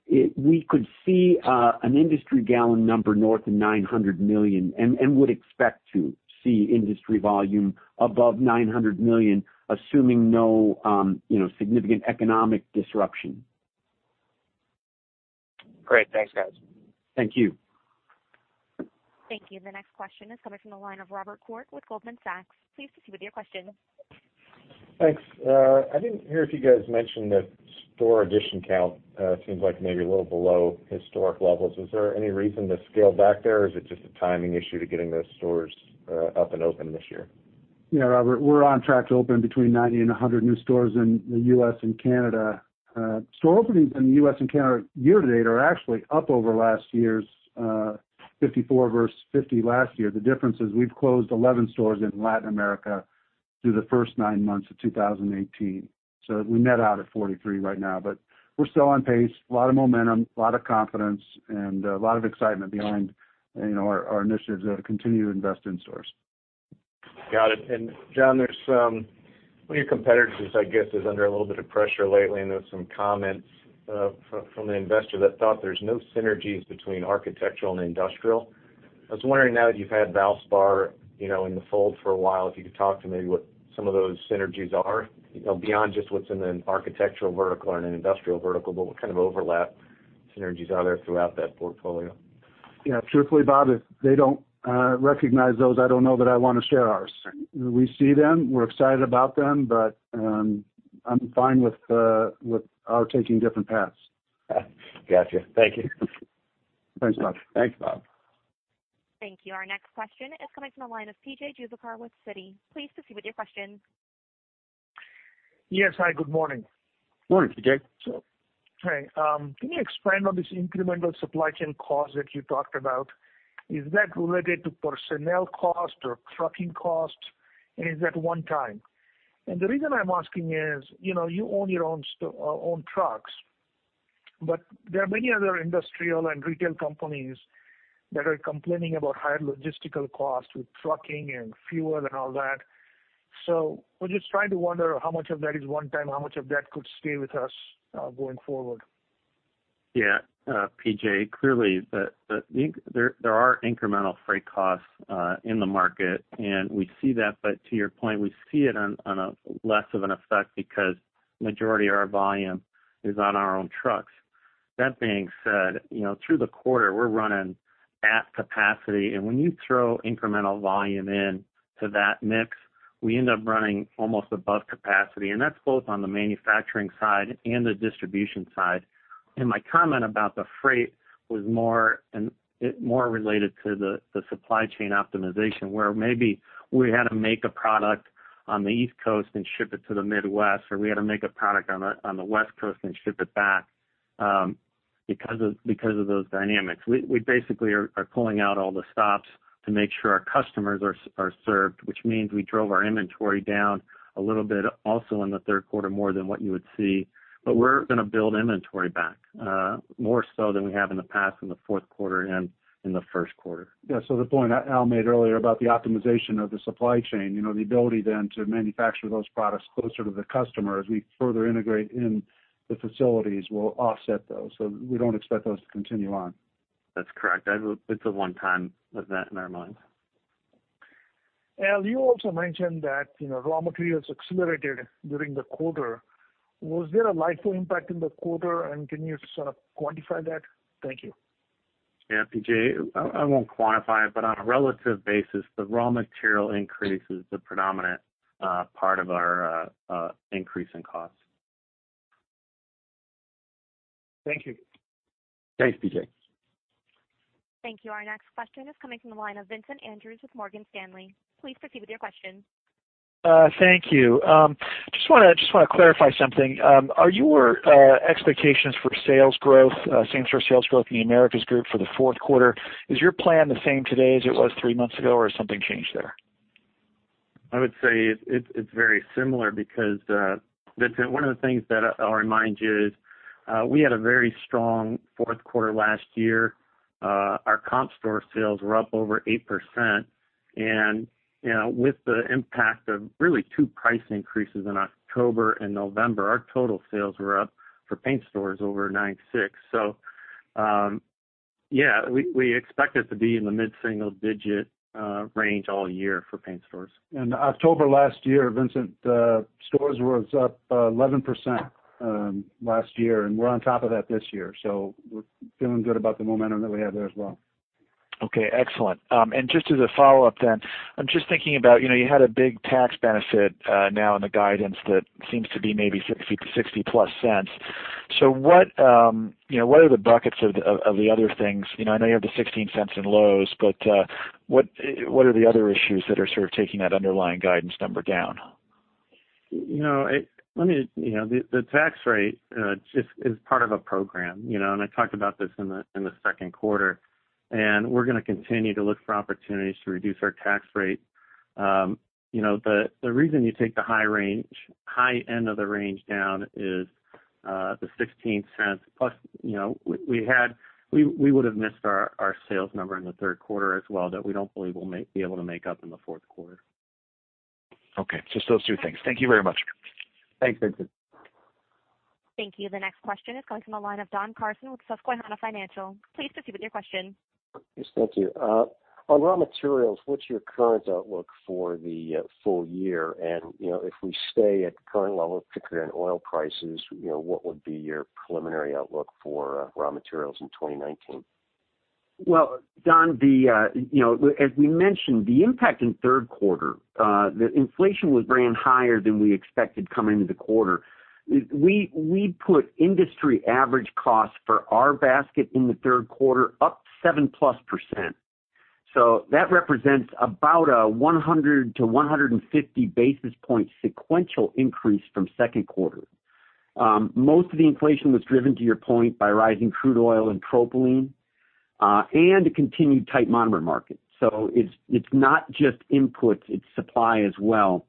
we could see an industry gallon number north of $900 million and would expect to see industry volume above $900 million, assuming no significant economic disruption. Great. Thanks, guys. Thank you. Thank you. The next question is coming from the line of Robert Koort with Goldman Sachs. Please proceed with your question. Thanks. I didn't hear if you guys mentioned that store addition count seems like maybe a little below historic levels. Is there any reason to scale back there, or is it just a timing issue to getting those stores up and open this year? Yeah, Robert, we're on track to open between 90 and 100 new stores in the U.S. and Canada. Store openings in the U.S. and Canada year to date are actually up over last year's 54 versus 50 last year. The difference is we've closed 11 stores in Latin America through the first nine months of 2018. We net out at 43 right now, but we're still on pace. A lot of momentum, a lot of confidence, and a lot of excitement behind our initiatives to continue to invest in stores. Got it. John, one of your competitors is, I guess, is under a little bit of pressure lately, and there's some comments from an investor that thought there's no synergies between architectural and industrial. I was wondering now that you've had Valspar in the fold for a while, if you could talk to maybe what some of those synergies are, beyond just what's in an architectural vertical or in an industrial vertical, but what kind of overlapsynergies are there throughout that portfolio. Yeah. Truthfully, Bob, if they don't recognize those, I don't know that I want to share ours. Sure. We see them, we're excited about them, but I'm fine with our taking different paths. Got you. Thank you. Thanks, Bob. Thanks, Bob. Thank you. Our next question is coming from the line of P.J. Juvekar with Citi. Please proceed with your question. Yes, hi, good morning. Morning, PJ. Hey, can you expand on this incremental supply chain cost that you talked about? Is that related to personnel cost or trucking costs? Is that one time? The reason I'm asking is, you own your own trucks, but there are many other industrial and retail companies that are complaining about higher logistical costs with trucking and fuel and all that. We're just trying to wonder how much of that is one time, how much of that could stay with us going forward. Yeah. P.J., clearly there are incremental freight costs in the market, and we see that. To your point, we see it on a less of an effect because majority of our volume is on our own trucks. That being said, through the quarter, we're running at capacity, and when you throw incremental volume into that mix, we end up running almost above capacity, and that's both on the manufacturing side and the distribution side. My comment about the freight was more related to the supply chain optimization, where maybe we had to make a product on the East Coast and ship it to the Midwest. We had to make a product on the West Coast and ship it back, because of those dynamics. We basically are pulling out all the stops to make sure our customers are served, which means we drove our inventory down a little bit, also in the third quarter, more than what you would see. We're going to build inventory back, more so than we have in the past, in the fourth quarter and in the first quarter. Yeah. The point Al made earlier about the optimization of the supply chain, the ability to manufacture those products closer to the customer as we further integrate into the facilities will offset those. We don't expect those to continue on. That's correct. It's a one-time event in our minds. Al, you also mentioned that raw materials accelerated during the quarter. Was there a LIFO impact in the quarter, and can you sort of quantify that? Thank you. Yeah, P.J., I won't quantify it, but on a relative basis, the raw material increase is the predominant part of our increase in cost. Thank you. Thanks, P.J. Thank you. Our next question is coming from the line of Vincent Andrews with Morgan Stanley. Please proceed with your question. Thank you. Just want to clarify something. Are your expectations for sales growth, same for sales growth in The Americas Group for the fourth quarter, is your plan the same today as it was three months ago, or has something changed there? I would say it's very similar because, Vincent, one of the things that I'll remind you is, we had a very strong fourth quarter last year. Our comp store sales were up over 8%. With the impact of really two price increases in October and November, our total sales were up for paint stores over 9.6%. Yeah, we expect it to be in the mid-single digit range all year for paint stores. October last year, Vincent, stores was up 11% last year, and we're on top of that this year. We're feeling good about the momentum that we have there as well. Okay, excellent. Just as a follow-up, I'm just thinking about, you had a big tax benefit now in the guidance that seems to be maybe $0.60 plus. What are the buckets of the other things? I know you have the $0.16 in Lowe's, what are the other issues that are sort of taking that underlying guidance number down? The tax rate is part of a program. I talked about this in the second quarter, we're going to continue to look for opportunities to reduce our tax rate. The reason you take the high end of the range down is the $0.16 plus. We would have missed our sales number in the third quarter as well, that we don't believe we'll be able to make up in the fourth quarter. Okay. Just those two things. Thank you very much. Thanks, Vincent. Thank you. The next question is coming from the line of Don Carson with Susquehanna Financial. Please proceed with your question. Yes, thank you. On raw materials, what's your current outlook for the full year? If we stay at current level, particularly in oil prices, what would be your preliminary outlook for raw materials in 2019? Well, Don, as we mentioned, the impact in third quarter, the inflation was ran higher than we expected coming into the quarter. We put industry average cost for our basket in the third quarter up seven plus %. That represents about a 100 to 150 basis point sequential increase from second quarter. Most of the inflation was driven, to your point, by rising crude oil and propylene, a continued tight monomer market. It's not just inputs, it's supply as well.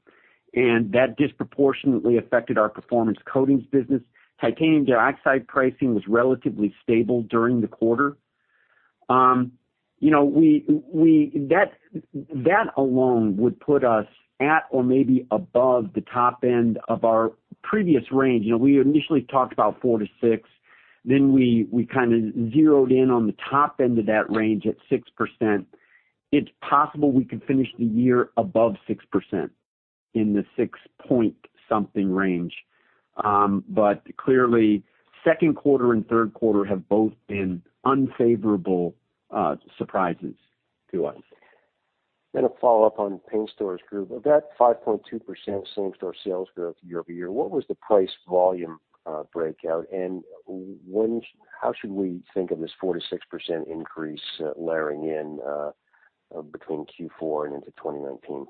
That disproportionately affected our performance coatings business. Titanium dioxide pricing was relatively stable during the quarter. That alone would put us at or maybe above the top end of our previous range. We initially talked about four to six, then we kind of zeroed in on the top end of that range at 6%. It's possible we could finish the year above 6%, in the six-point-something range. Clearly, second quarter and third quarter have both been unfavorable surprises to us. A follow-up on paint stores group. Of that 5.2% same-store sales growth year-over-year, what was the price volume breakout, and how should we think of this 4%-6% increase layering in between Q4 and into 2019?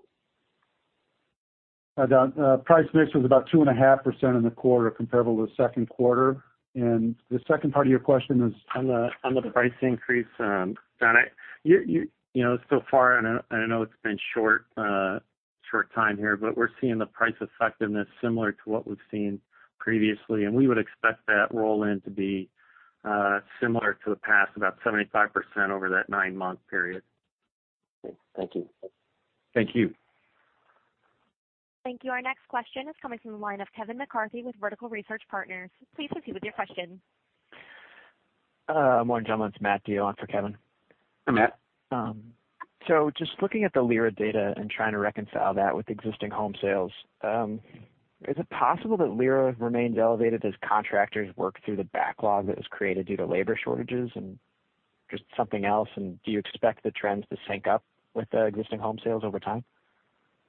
The price mix was about 2.5% in the quarter comparable to the second quarter. The second part of your question is? On the price increase, Don, so far, and I know it's been a short time here, but we're seeing the price effectiveness similar to what we've seen previously, and we would expect that roll-in to be similar to the past, about 75% over that nine-month period. Okay. Thank you. Thank you. Thank you. Our next question is coming from the line of Kevin McCarthy with Vertical Research Partners. Please proceed with your question. Morning, gentlemen, it's Matthew Hettwer for Kevin. Hi, Matt. Just looking at the LIRA data and trying to reconcile that with existing home sales. Is it possible that LIRA remains elevated as contractors work through the backlog that was created due to labor shortages? Just something else, do you expect the trends to sync up with the existing home sales over time?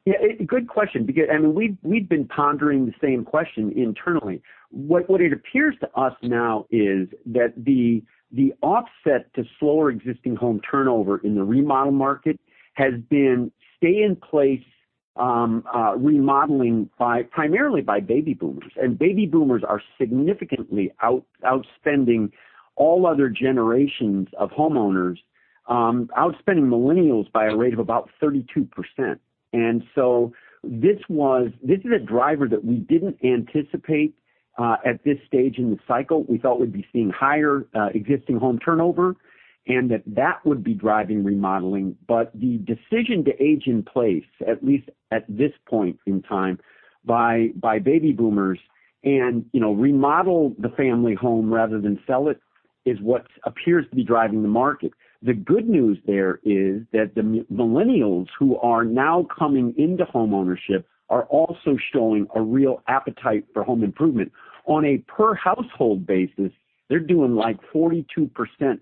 Yeah. Good question because we've been pondering the same question internally. What it appears to us now is that the offset to slower existing home turnover in the remodel market has been stay-in-place remodeling primarily by baby boomers. Baby boomers are significantly outspending all other generations of homeowners, outspending millennials by a rate of about 32%. This is a driver that we didn't anticipate at this stage in the cycle. We thought we'd be seeing higher existing home turnover and that that would be driving remodeling. The decision to age in place, at least at this point in time, by baby boomers and remodel the family home rather than sell it, is what appears to be driving the market. The good news there is that the millennials who are now coming into home ownership are also showing a real appetite for home improvement. On a per-household basis, they're doing 42%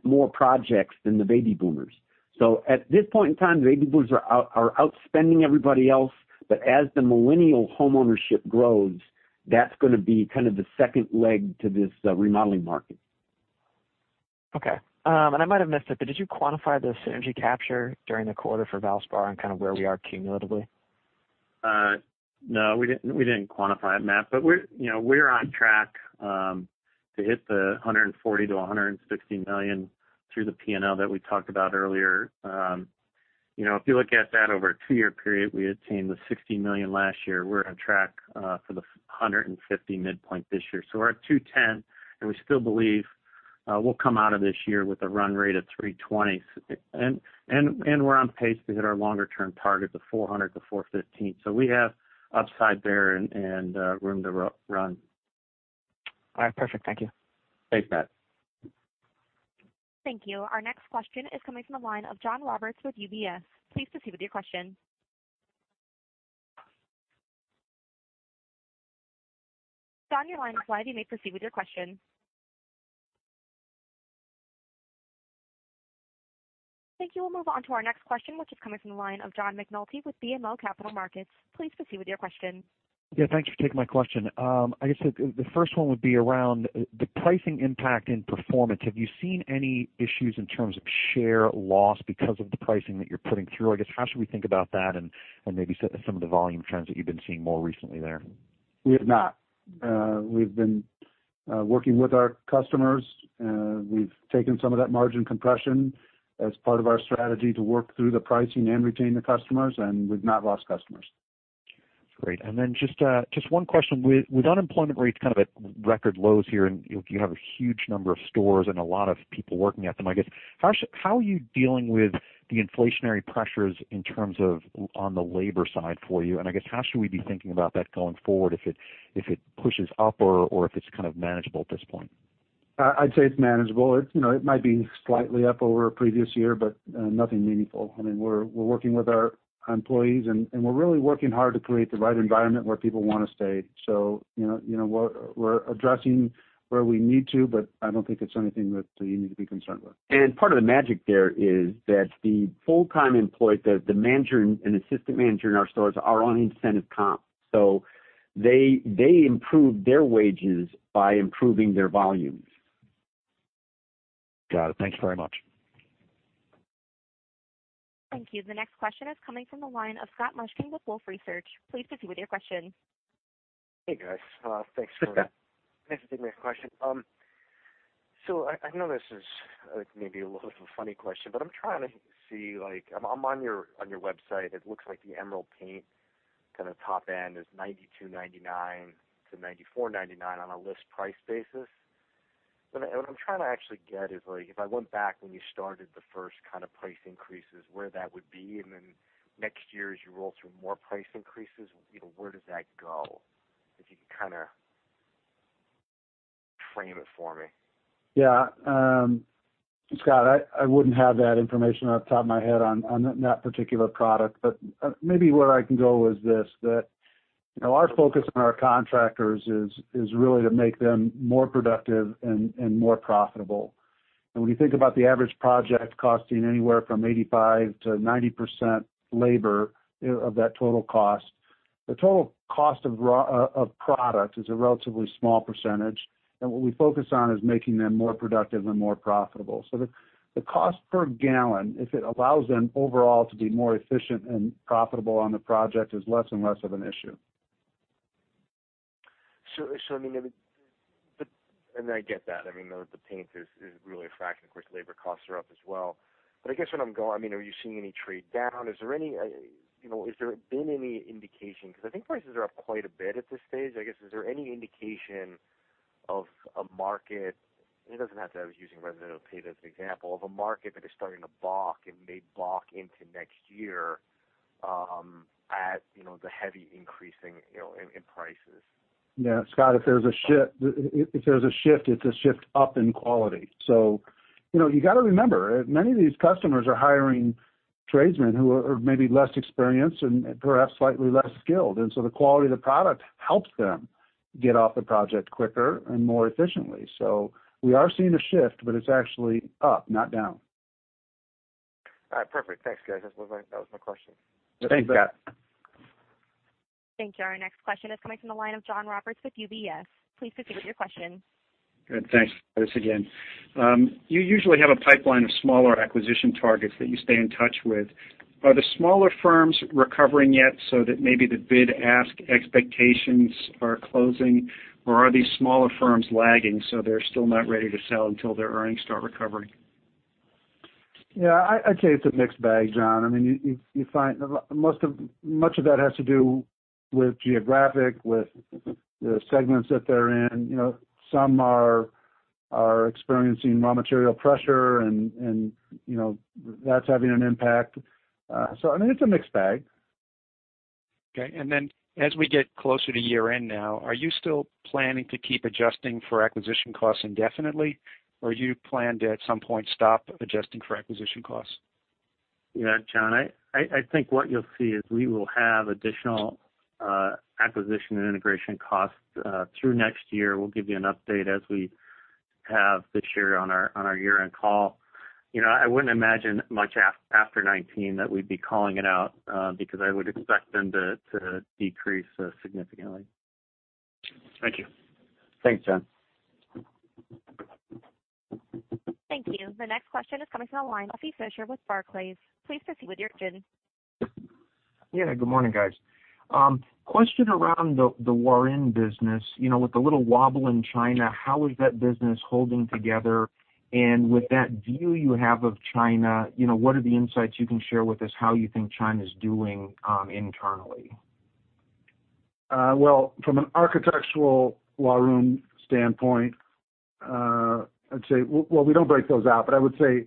more projects than the baby boomers. At this point in time, the baby boomers are outspending everybody else. As the millennial home ownership grows, that's going to be kind of the second leg to this remodeling market. Okay. I might have missed it, did you quantify the synergy capture during the quarter for Valspar and kind of where we are cumulatively? No, we didn't quantify it, Matt. We're on track to hit the $140 million-$160 million through the P&L that we talked about earlier. If you look at that over a two-year period, we attained the $60 million last year. We're on track for the $150 midpoint this year. We're at $210, and we still believe we'll come out of this year with a run rate of $320. We're on pace to hit our longer-term target, the $400-$415. We have upside there and room to run. All right. Perfect. Thank you. Thanks, Matt. Thank you. Our next question is coming from the line of John Roberts with UBS. Please proceed with your question. John, your line is live, you may proceed with your question. Thank you. We'll move on to our next question, which is coming from the line of John McNulty with BMO Capital Markets. Please proceed with your question. Yeah, thanks for taking my question. I guess the first one would be around the pricing impact in Performance. Have you seen any issues in terms of share loss because of the pricing that you're putting through? I guess, how should we think about that and maybe some of the volume trends that you've been seeing more recently there? We have not. We've been working with our customers. We've taken some of that margin compression as part of our strategy to work through the pricing and retain the customers, and we've not lost customers. Great. Just one question. With unemployment rates kind of at record lows here, you have a huge number of stores and a lot of people working at them, I guess, how are you dealing with the inflationary pressures in terms of on the labor side for you? I guess, how should we be thinking about that going forward if it pushes up or if it's kind of manageable at this point? I'd say it's manageable. It might be slightly up over previous year, nothing meaningful. We're working with our employees, we're really working hard to create the right environment where people want to stay. We're addressing where we need to, I don't think it's anything that you need to be concerned with. Part of the magic there is that the full-time employee, the manager and assistant manager in our stores are on incentive comp. They improve their wages by improving their volumes. Got it. Thank you very much. Thank you. The next question is coming from the line of Scott Mushkin with Wolfe Research. Please proceed with your question. Hey, guys. Thanks for taking my question. I know this is maybe a little of a funny question, but I'm trying to see, I'm on your website, it looks like the Emerald Paint kind of top end is $92.99-$94.99 on a list price basis. What I'm trying to actually get is, if I went back when you started the first kind of price increases, where that would be, and then next year, as you roll through more price increases, where does that go? If you can frame it for me. Scott, I wouldn't have that information off the top of my head on that particular product. Maybe where I can go is this, that our focus on our contractors is really to make them more productive and more profitable. When you think about the average project costing anywhere from 85%-90% labor of that total cost, the total cost of product is a relatively small percentage, and what we focus on is making them more productive and more profitable. The cost per gallon, if it allows them overall to be more efficient and profitable on the project, is less and less of an issue. I get that. The paint is really a fraction. Of course, labor costs are up as well. I guess what I'm Are you seeing any trade down? Has there been any indication, because I think prices are up quite a bit at this stage. I guess, is there any indication of a market, and it doesn't have to, I was using residential paint as an example, of a market that is starting to balk and may balk into next year at the heavy increasing in prices? Yeah. Scott, if there's a shift, it's a shift up in quality. You've got to remember, many of these customers are hiring tradesmen who are maybe less experienced and perhaps slightly less skilled. The quality of the product helps them get off the project quicker and more efficiently. We are seeing a shift, but it's actually up, not down. All right. Perfect. Thanks, guys. That was my question. Thanks, Scott. Thank you. Our next question is coming from the line of John Roberts with UBS. Please proceed with your question. Good. Thanks. It's Roberts again. You usually have a pipeline of smaller acquisition targets that you stay in touch with. Are the smaller firms recovering yet so that maybe the bid-ask expectations are closing, or are these smaller firms lagging, so they're still not ready to sell until their earnings start recovering? Yeah, I'd say it's a mixed bag, John. Much of that has to do with geographic, with the segments that they're in. Some are experiencing raw material pressure, and that's having an impact. It's a mixed bag. Okay. As we get closer to year-end now, are you still planning to keep adjusting for acquisition costs indefinitely, or you plan to at some point stop adjusting for acquisition costs? Yeah, John, I think what you'll see is we will have additional acquisition and integration costs through next year. We'll give you an update as we have this year on our year-end call. I wouldn't imagine much after 2019 that we'd be calling it out, because I would expect them to decrease significantly. Thank you. Thanks, John. Thank you. The next question is coming from the line of Duffy Fischer with Barclays. Please proceed with your question. Yeah. Good morning, guys. Question around the Huarun business. With the little wobble in China, how is that business holding together? With that view you have of China, what are the insights you can share with us how you think China's doing internally? Well, from an architectural Huarun standpoint, I'd say-- Well, we don't break those out, but I would say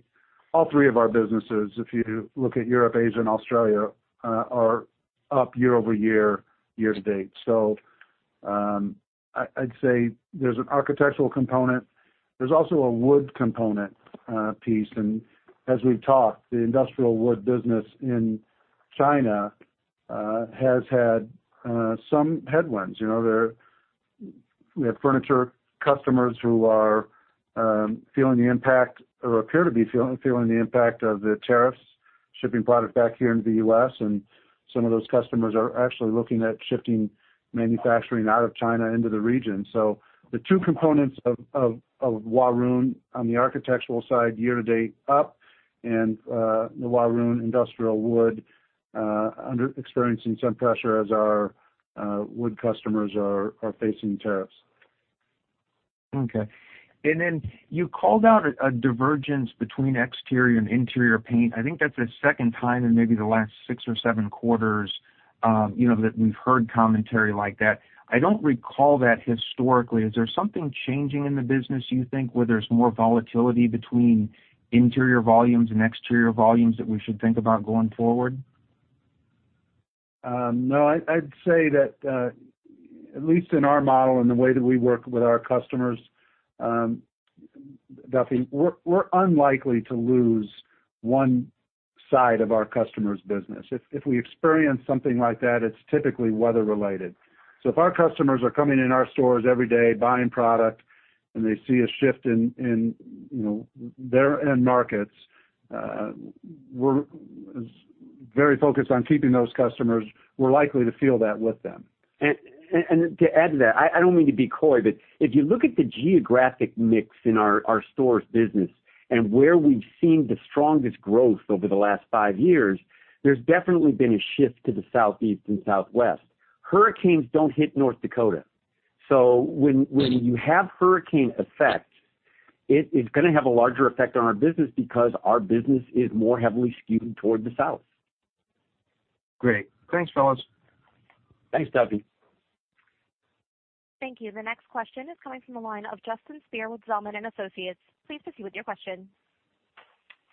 all three of our businesses, if you look at Europe, Asia, and Australia, are up year-over-year, year-to-date. I'd say there's an architectural component. There's also a wood component piece. As we've talked, the industrial wood business in China has had some headwinds. We have furniture customers who are feeling the impact, or appear to be feeling the impact of the tariffs, shipping product back here into the U.S., and some of those customers are actually looking at shifting manufacturing out of China into the region. The two components of Huarun, on the architectural side year-to-date up, and the Huarun industrial wood experiencing some pressure as our wood customers are facing tariffs. Okay. Then you called out a divergence between exterior and interior paint. I think that's the second time in maybe the last six or seven quarters, that we've heard commentary like that. I don't recall that historically. Is there something changing in the business, you think, where there's more volatility between interior volumes and exterior volumes that we should think about going forward? No. I'd say that, at least in our model and the way that we work with our customers, Duffy, we're unlikely to lose one side of our customer's business. If we experience something like that, it's typically weather related. If our customers are coming in our stores every day buying product, and they see a shift in their end markets, we're very focused on keeping those customers. We're likely to feel that with them. To add to that, I don't mean to be coy, but if you look at the geographic mix in our stores business and where we've seen the strongest growth over the last five years, there's definitely been a shift to the Southeast and Southwest. Hurricanes don't hit North Dakota. When you have hurricane effects, it is going to have a larger effect on our business because our business is more heavily skewed toward the South. Great. Thanks, fellas. Thanks, Duffy. Thank you. The next question is coming from the line of Justin Speer with Zelman & Associates. Please proceed with your question.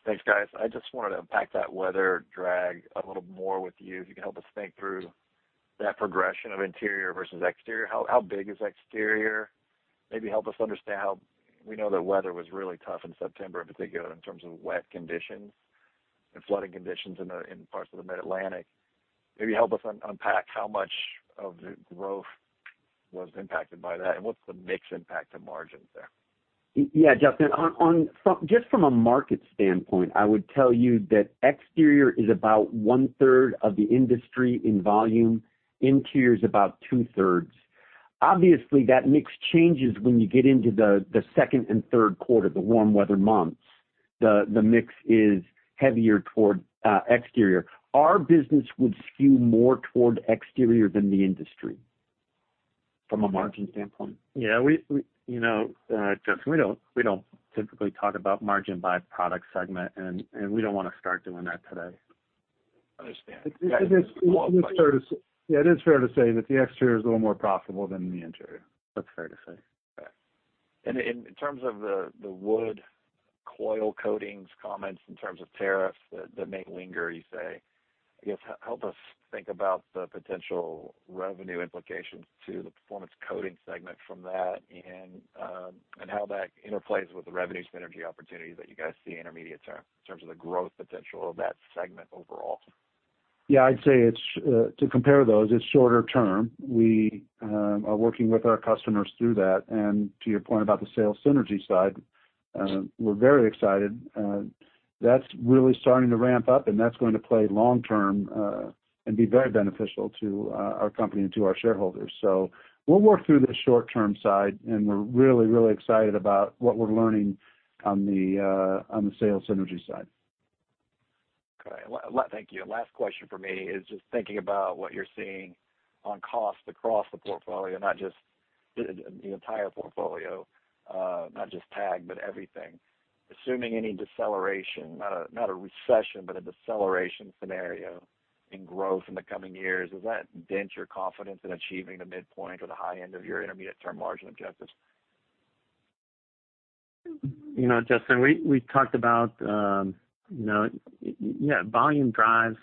Thanks, guys. I just wanted to unpack that weather drag a little more with you. If you can help us think through that progression of interior versus exterior, how big is exterior? Maybe help us understand. We know that weather was really tough in September, in particular, in terms of wet conditions and flooding conditions in parts of the Mid-Atlantic. Maybe help us unpack how much of the growth was impacted by that, and what's the mix impact to margins there? Yeah, Justin, just from a market standpoint, I would tell you that exterior is about one-third of the industry in volume, interior is about two-thirds. Obviously, that mix changes when you get into the second and third quarter, the warm weather months. The mix is heavier toward exterior. Our business would skew more toward exterior than the industry from a margin standpoint. Yeah, Justin, we don't typically talk about margin by product segment, and we don't want to start doing that today. Understand. It is fair to say that the exterior is a little more profitable than the interior. That's fair to say. Okay. In terms of the wood coil coatings comments, in terms of tariffs that may linger, you say, I guess, help us think about the potential revenue implications to the Performance Coatings segment from that and how that interplays with the revenue synergy opportunity that you guys see intermediate term in terms of the growth potential of that segment overall. Yeah, I'd say to compare those, it's shorter term. We are working with our customers through that. To your point about the sales synergy side, we're very excited. That's really starting to ramp up, and that's going to play long term and be very beneficial to our company and to our shareholders. We'll work through the short-term side, and we're really, really excited about what we're learning on the sales synergy side. Okay. Thank you. Last question from me is just thinking about what you're seeing on cost across the portfolio, the entire portfolio, not just TAG, but everything. Assuming any deceleration, not a recession, but a deceleration scenario in growth in the coming years, does that dent your confidence in achieving the midpoint or the high end of your intermediate-term margin objectives? Justin, we talked about volume drives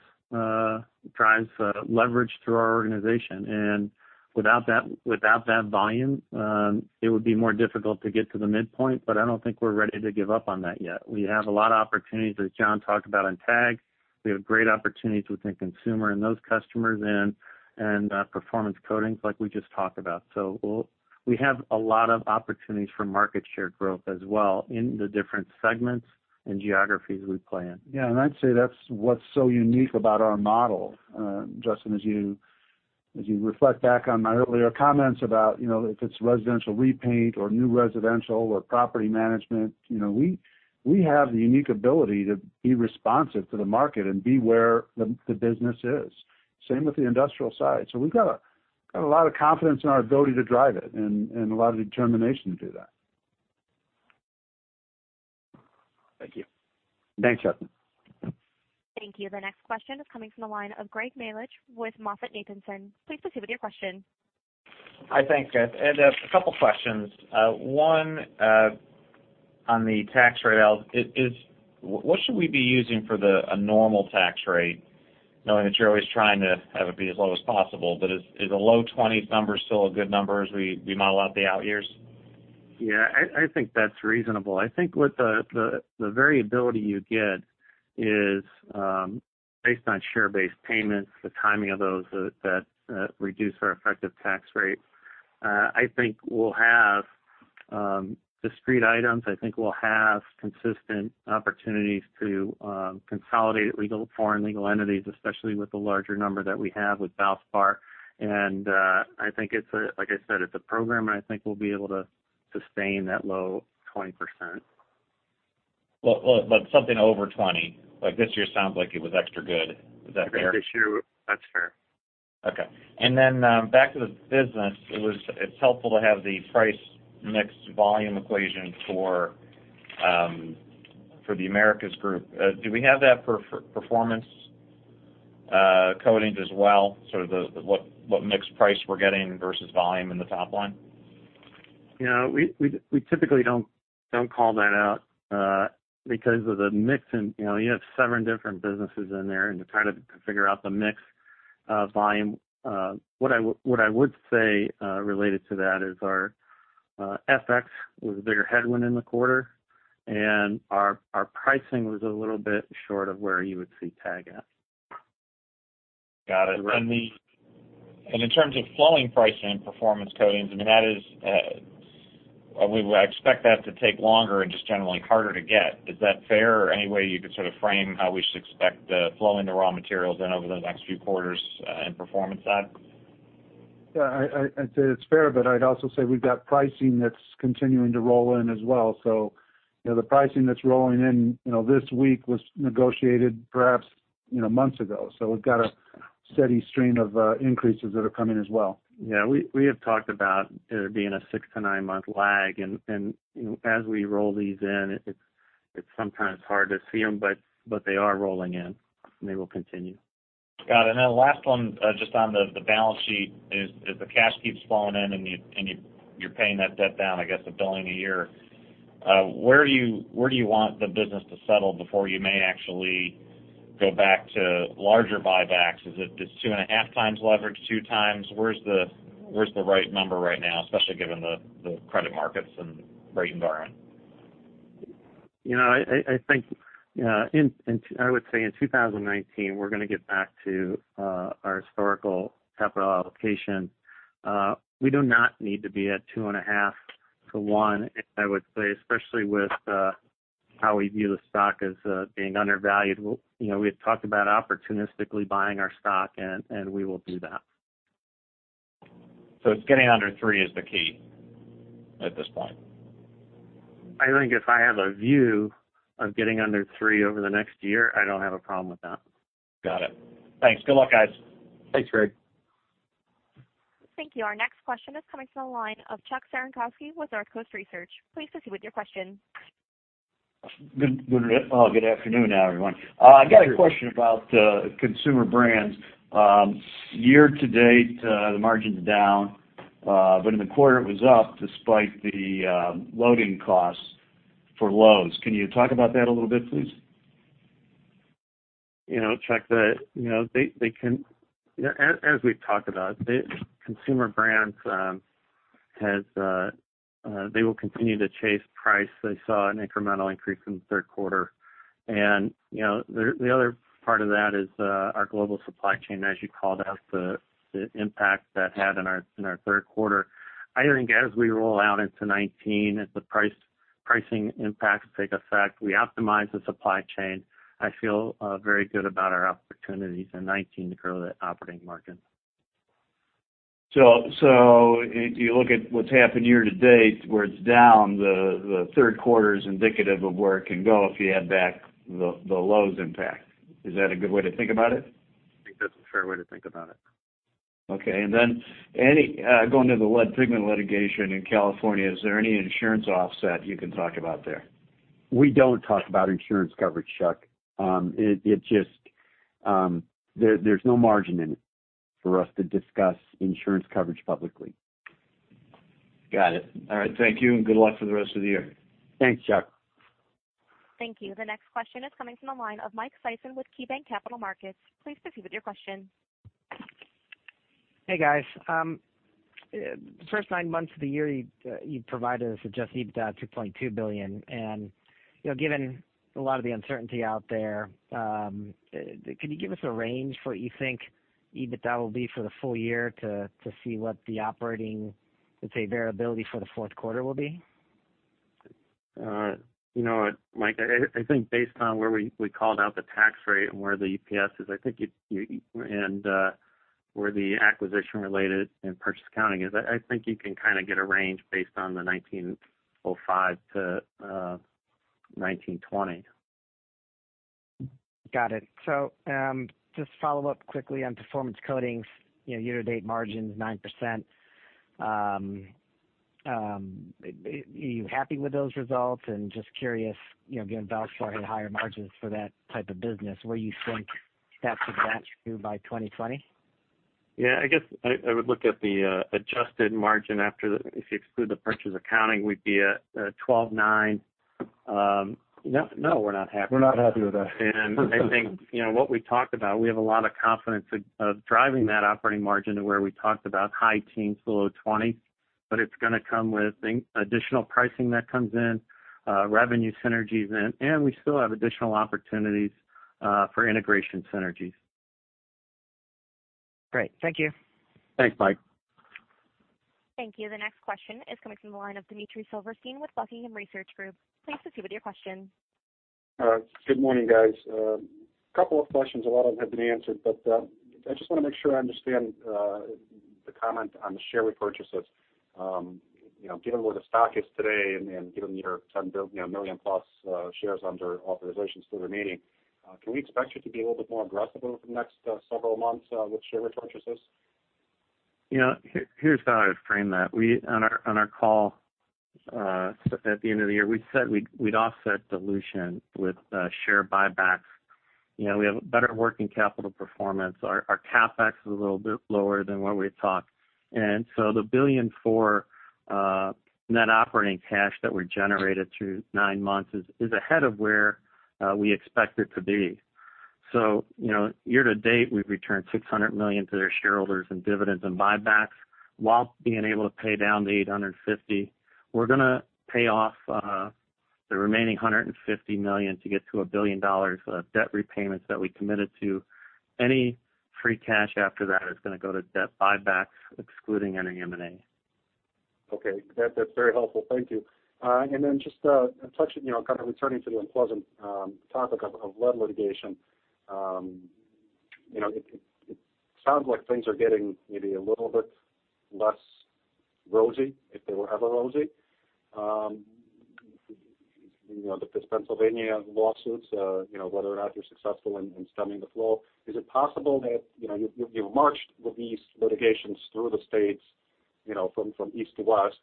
leverage through our organization, and without that volume, it would be more difficult to get to the midpoint, but I don't think we're ready to give up on that yet. We have a lot of opportunities, as John talked about on TAG. We have great opportunities within consumer and those customers and Performance Coatings like we just talked about. We have a lot of opportunities for market share growth as well in the different segments and geographies we play in. Yeah, I'd say that's what's so unique about our model, Justin. As you reflect back on my earlier comments about if it's residential repaint or new residential or property management, we have the unique ability to be responsive to the market and be where the business is. Same with the industrial side. We've got a lot of confidence in our ability to drive it and a lot of determination to do that. Thank you. Thanks, Justin. Thank you. The next question is coming from the line of Greg Melich with MoffettNathanson. Please proceed with your question. Hi. Thanks, guys. A couple questions. One on the tax rate. What should we be using for a normal tax rate, knowing that you're always trying to have it be as low as possible, but is a low 20s number still a good number as we model out the out years? Yeah, I think that's reasonable. I think with the variability you get is based on share-based payments, the timing of those that reduce our effective tax rate. I think we'll have discrete items. I think we'll have consistent opportunities to consolidate foreign legal entities, especially with the larger number that we have with Valspar. I think it's, like I said, it's a program, and I think we'll be able to sustain that low 20%. Something over 20. Like this year sounds like it was extra good. Is that fair? This year, that's fair. Okay. Then back to the business, it's helpful to have the price mix volume equation for The Americas Group. Do we have that for Performance Coatings Group as well? Sort of what mix price we're getting versus volume in the top line? We typically don't call that out because of the mix, and you have seven different businesses in there, and to try to figure out the mix volume. What I would say related to that is our FX was a bigger headwind in the quarter, and our pricing was a little bit short of where you would see The Americas Group at. Got it. In terms of flowing pricing in Performance Coatings, I expect that to take longer and just generally harder to get. Is that fair? Or any way you could sort of frame how we should expect the flow in the raw materials over the next few quarters in Performance Coatings? I'd say it's fair, I'd also say we've got pricing that's continuing to roll in as well. The pricing that's rolling in this week was negotiated perhaps months ago. We've got a steady stream of increases that are coming as well. We have talked about there being a six to nine-month lag, as we roll these in, it's sometimes hard to see them, they are rolling in, and they will continue. Scott, last one, just on the balance sheet is the cash keeps flowing in and you're paying that debt down, I guess, $1 billion a year. Where do you want the business to settle before you may actually go back to larger buybacks? Is it just 2.5 times leverage, 2 times? Where's the right number right now, especially given the credit markets and the rate environment? I would say in 2019, we're going to get back to our historical capital allocation. We do not need to be at 2.5 to 1, I would say, especially with how we view the stock as being undervalued. We had talked about opportunistically buying our stock. We will do that. It's getting under three is the key at this point. I think if I have a view of getting under three over the next year, I don't have a problem with that. Got it. Thanks. Good luck, guys. Thanks, Greg. Thank you. Our next question is coming from the line of Chuck Cerankosky with Northcoast Research. Please proceed with your question. Good afternoon, everyone. I got a question about Consumer Brands. Year-to-date, the margin's down, but in the quarter it was up despite the loading costs for Lowe's. Can you talk about that a little bit, please? Chuck, as we've talked about, Consumer Brands, they will continue to chase price. They saw an incremental increase in the third quarter. The other part of that is our global supply chain, as you called out, the impact that had in our third quarter. I think as we roll out into 2019, as the pricing impacts take effect, we optimize the supply chain. I feel very good about our opportunities in 2019 to grow that operating margin. if you look at what's happened year to date, where it's down, the third quarter's indicative of where it can go if you add back the Lowe's impact. Is that a good way to think about it? I think that's a fair way to think about it. Okay. going to the lead pigment litigation in California, is there any insurance offset you can talk about there? We don't talk about insurance coverage, Chuck. There's no margin in it for us to discuss insurance coverage publicly. Got it. All right. Thank you. Good luck for the rest of the year. Thanks, Chuck. Thank you. The next question is coming from the line of Mike Sison with KeyBanc Capital Markets. Please proceed with your question. Hey, guys. The first nine months of the year, you provided us adjusted EBITDA of $2.2 billion. Given a lot of the uncertainty out there, can you give us a range for what you think EBITDA will be for the full year to see what the operating, let's say, variability for the fourth quarter will be? Mike, I think based on where we called out the tax rate and where the EPS is, where the acquisition related and purchase accounting is, I think you can kind of get a range based on the $19.05-$19.20. Got it. Just follow up quickly on Performance Coatings Group, year-to-date margins 9%. Are you happy with those results? Just curious, given Valspar had higher margins for that type of business, where you think that could match through by 2020? Yeah, I guess I would look at the adjusted margin after, if you exclude the purchase accounting, we'd be at 12.9%. No, we're not happy. We're not happy with that. I think, what we talked about, we have a lot of confidence of driving that operating margin to where we talked about, high teens, below 20, but it's going to come with additional pricing that comes in, revenue synergies in, and we still have additional opportunities for integration synergies. Great. Thank you. Thanks, Mike. Thank you. The next question is coming from the line of Dmitry Silversteyn with Buckingham Research Group. Please proceed with your question. Good morning, guys. Couple of questions. A lot of them have been answered. I just want to make sure I understand the comment on the share repurchases. Given where the stock is today and given your 10 million+ shares under authorizations still remaining, can we expect you to be a little bit more aggressive over the next several months with share repurchases? Here's how I would frame that. On our call at the end of the year, we said we'd offset dilution with share buybacks. We have better working capital performance. Our CapEx is a little bit lower than what we had talked. The $1.4 billion net operating cash that we generated through nine months is ahead of where we expect it to be. Year to date, we've returned $600 million to their shareholders in dividends and buybacks while being able to pay down the $850 million. We're going to pay off the remaining $150 million to get to a $1 billion of debt repayments that we committed to. Any free cash after that is going to go to debt buybacks, excluding any M&A. Okay. That's very helpful. Thank you. Just a touch, kind of returning to the unpleasant topic of lead litigation. It sounds like things are getting maybe a little bit less rosy, if they were ever rosy. With the Pennsylvania lawsuits, whether or not you're successful in stemming the flow, is it possible that you've marched with these litigations through the States from east to west?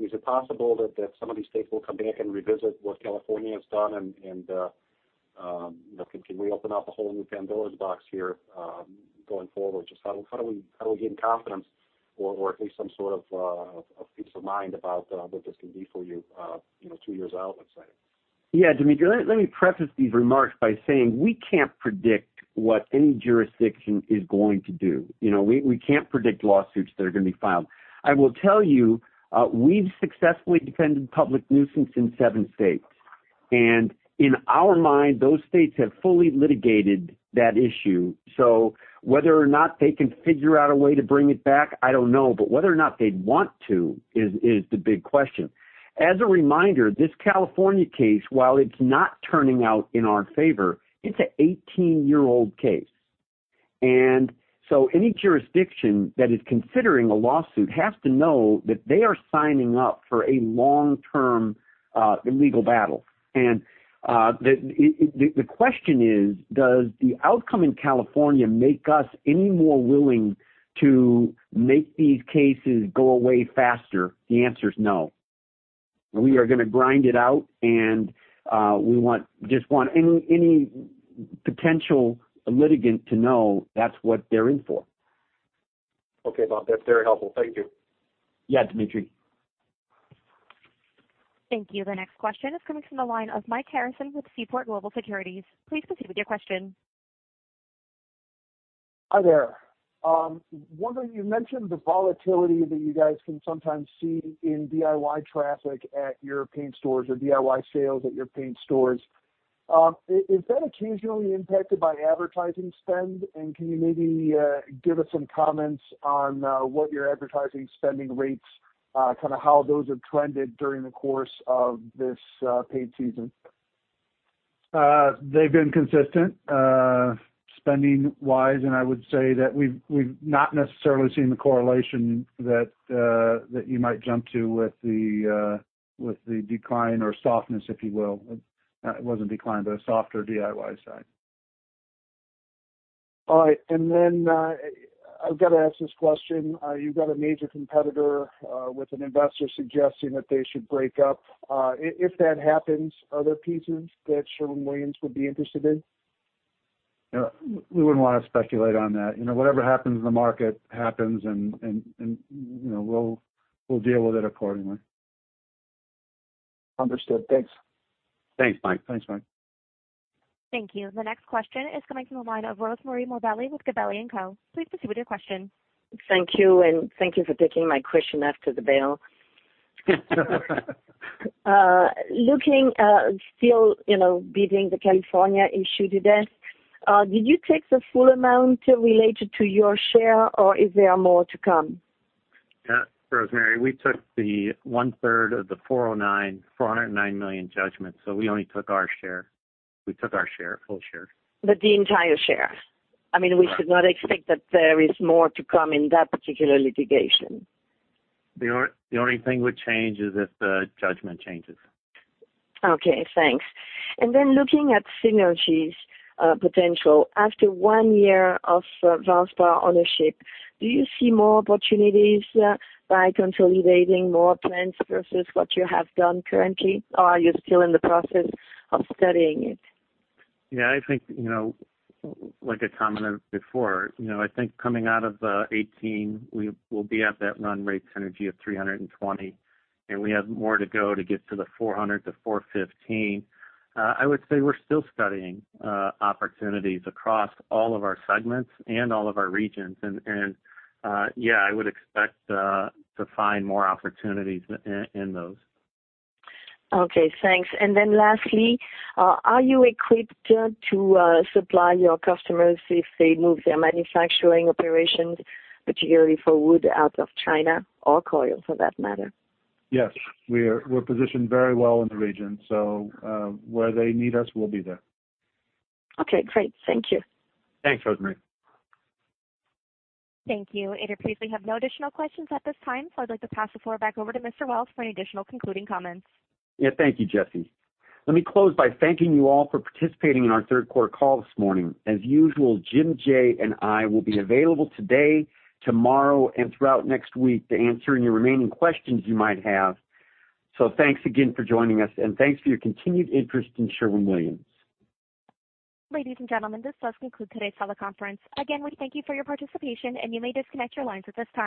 Is it possible that some of these States will come back and revisit what California has done, and can we open up a whole new Pandora's box here going forward? Just how do we gain confidence or at least some sort of peace of mind about what this can be for you two years out, let's say? Yeah, Dmitry, let me preface these remarks by saying we can't predict what any jurisdiction is going to do. We can't predict lawsuits that are going to be filed. I will tell you, we've successfully defended public nuisance in seven states, and in our mind, those states have fully litigated that issue. Whether or not they can figure out a way to bring it back, I don't know. Whether or not they'd want to is the big question. As a reminder, this California case, while it's not turning out in our favor, it's an 18-year-old case. Any jurisdiction that is considering a lawsuit has to know that they are signing up for a long-term legal battle. The question is: Does the outcome in California make us any more willing to make these cases go away faster? The answer is no. We are going to grind it out, and we just want any potential litigant to know that's what they're in for. Okay, Bob, that's very helpful. Thank you. Yeah, Dmitry. Thank you. The next question is coming from the line of Mike Harrison with Seaport Global Securities. Please proceed with your question. Hi there. Wondering, you mentioned the volatility that you guys can sometimes see in DIY traffic at your paint stores or DIY sales at your paint stores. Is that occasionally impacted by advertising spend? Can you maybe give us some comments on what your advertising spending rates, kind of how those have trended during the course of this paint season? They've been consistent spending wise. I would say that we've not necessarily seen the correlation that you might jump to with the decline or softness, if you will. It wasn't decline, but a softer DIY side. All right. I've got to ask this question. You've got a major competitor with an investor suggesting that they should break up. If that happens, are there pieces that Sherwin-Williams would be interested in? We wouldn't want to speculate on that. Whatever happens in the market happens, we'll deal with it accordingly. Understood. Thanks. Thanks, Mike. Thanks, Mike. Thank you. The next question is coming from the line of Rosemarie Morbelli with Gabelli & Company. Please proceed with your question. Thank you, and thank you for taking my question after the bell. Looking still beating the California issue to death, did you take the full amount related to your share, or is there more to come? Yeah. Rosemarie, we took the one-third of the $409 million judgment, so we only took our share. We took our share, full share. The entire share. Correct. We should not expect that there is more to come in that particular litigation. The only thing would change is if the judgment changes. Okay, thanks. Looking at synergies potential, after one year of Valspar ownership, do you see more opportunities by consolidating more plants versus what you have done currently, or are you still in the process of studying it? Yeah, I think like I commented before, I think coming out of 2018, we will be at that run rate synergy of 320, and we have more to go to get to the 400 to 415. I would say we're still studying opportunities across all of our segments and all of our regions. Yeah, I would expect to find more opportunities in those. Okay, thanks. Lastly, are you equipped to supply your customers if they move their manufacturing operations, particularly for wood out of China or coil for that matter? Yes, we're positioned very well in the region, so where they need us, we'll be there. Okay, great. Thank you. Thanks, Rosemarie. Thank you. Operator, please, we have no additional questions at this time, so I'd like to pass the floor back over to Mr. Wells for any additional concluding comments. Yeah. Thank you, Jesse. Let me close by thanking you all for participating in our third quarter call this morning. As usual, Jim, Jay, and I will be available today, tomorrow, and throughout next week to answer any remaining questions you might have. Thanks again for joining us, and thanks for your continued interest in Sherwin-Williams. Ladies and gentlemen, this does conclude today's teleconference. We thank you for your participation, and you may disconnect your lines at this time.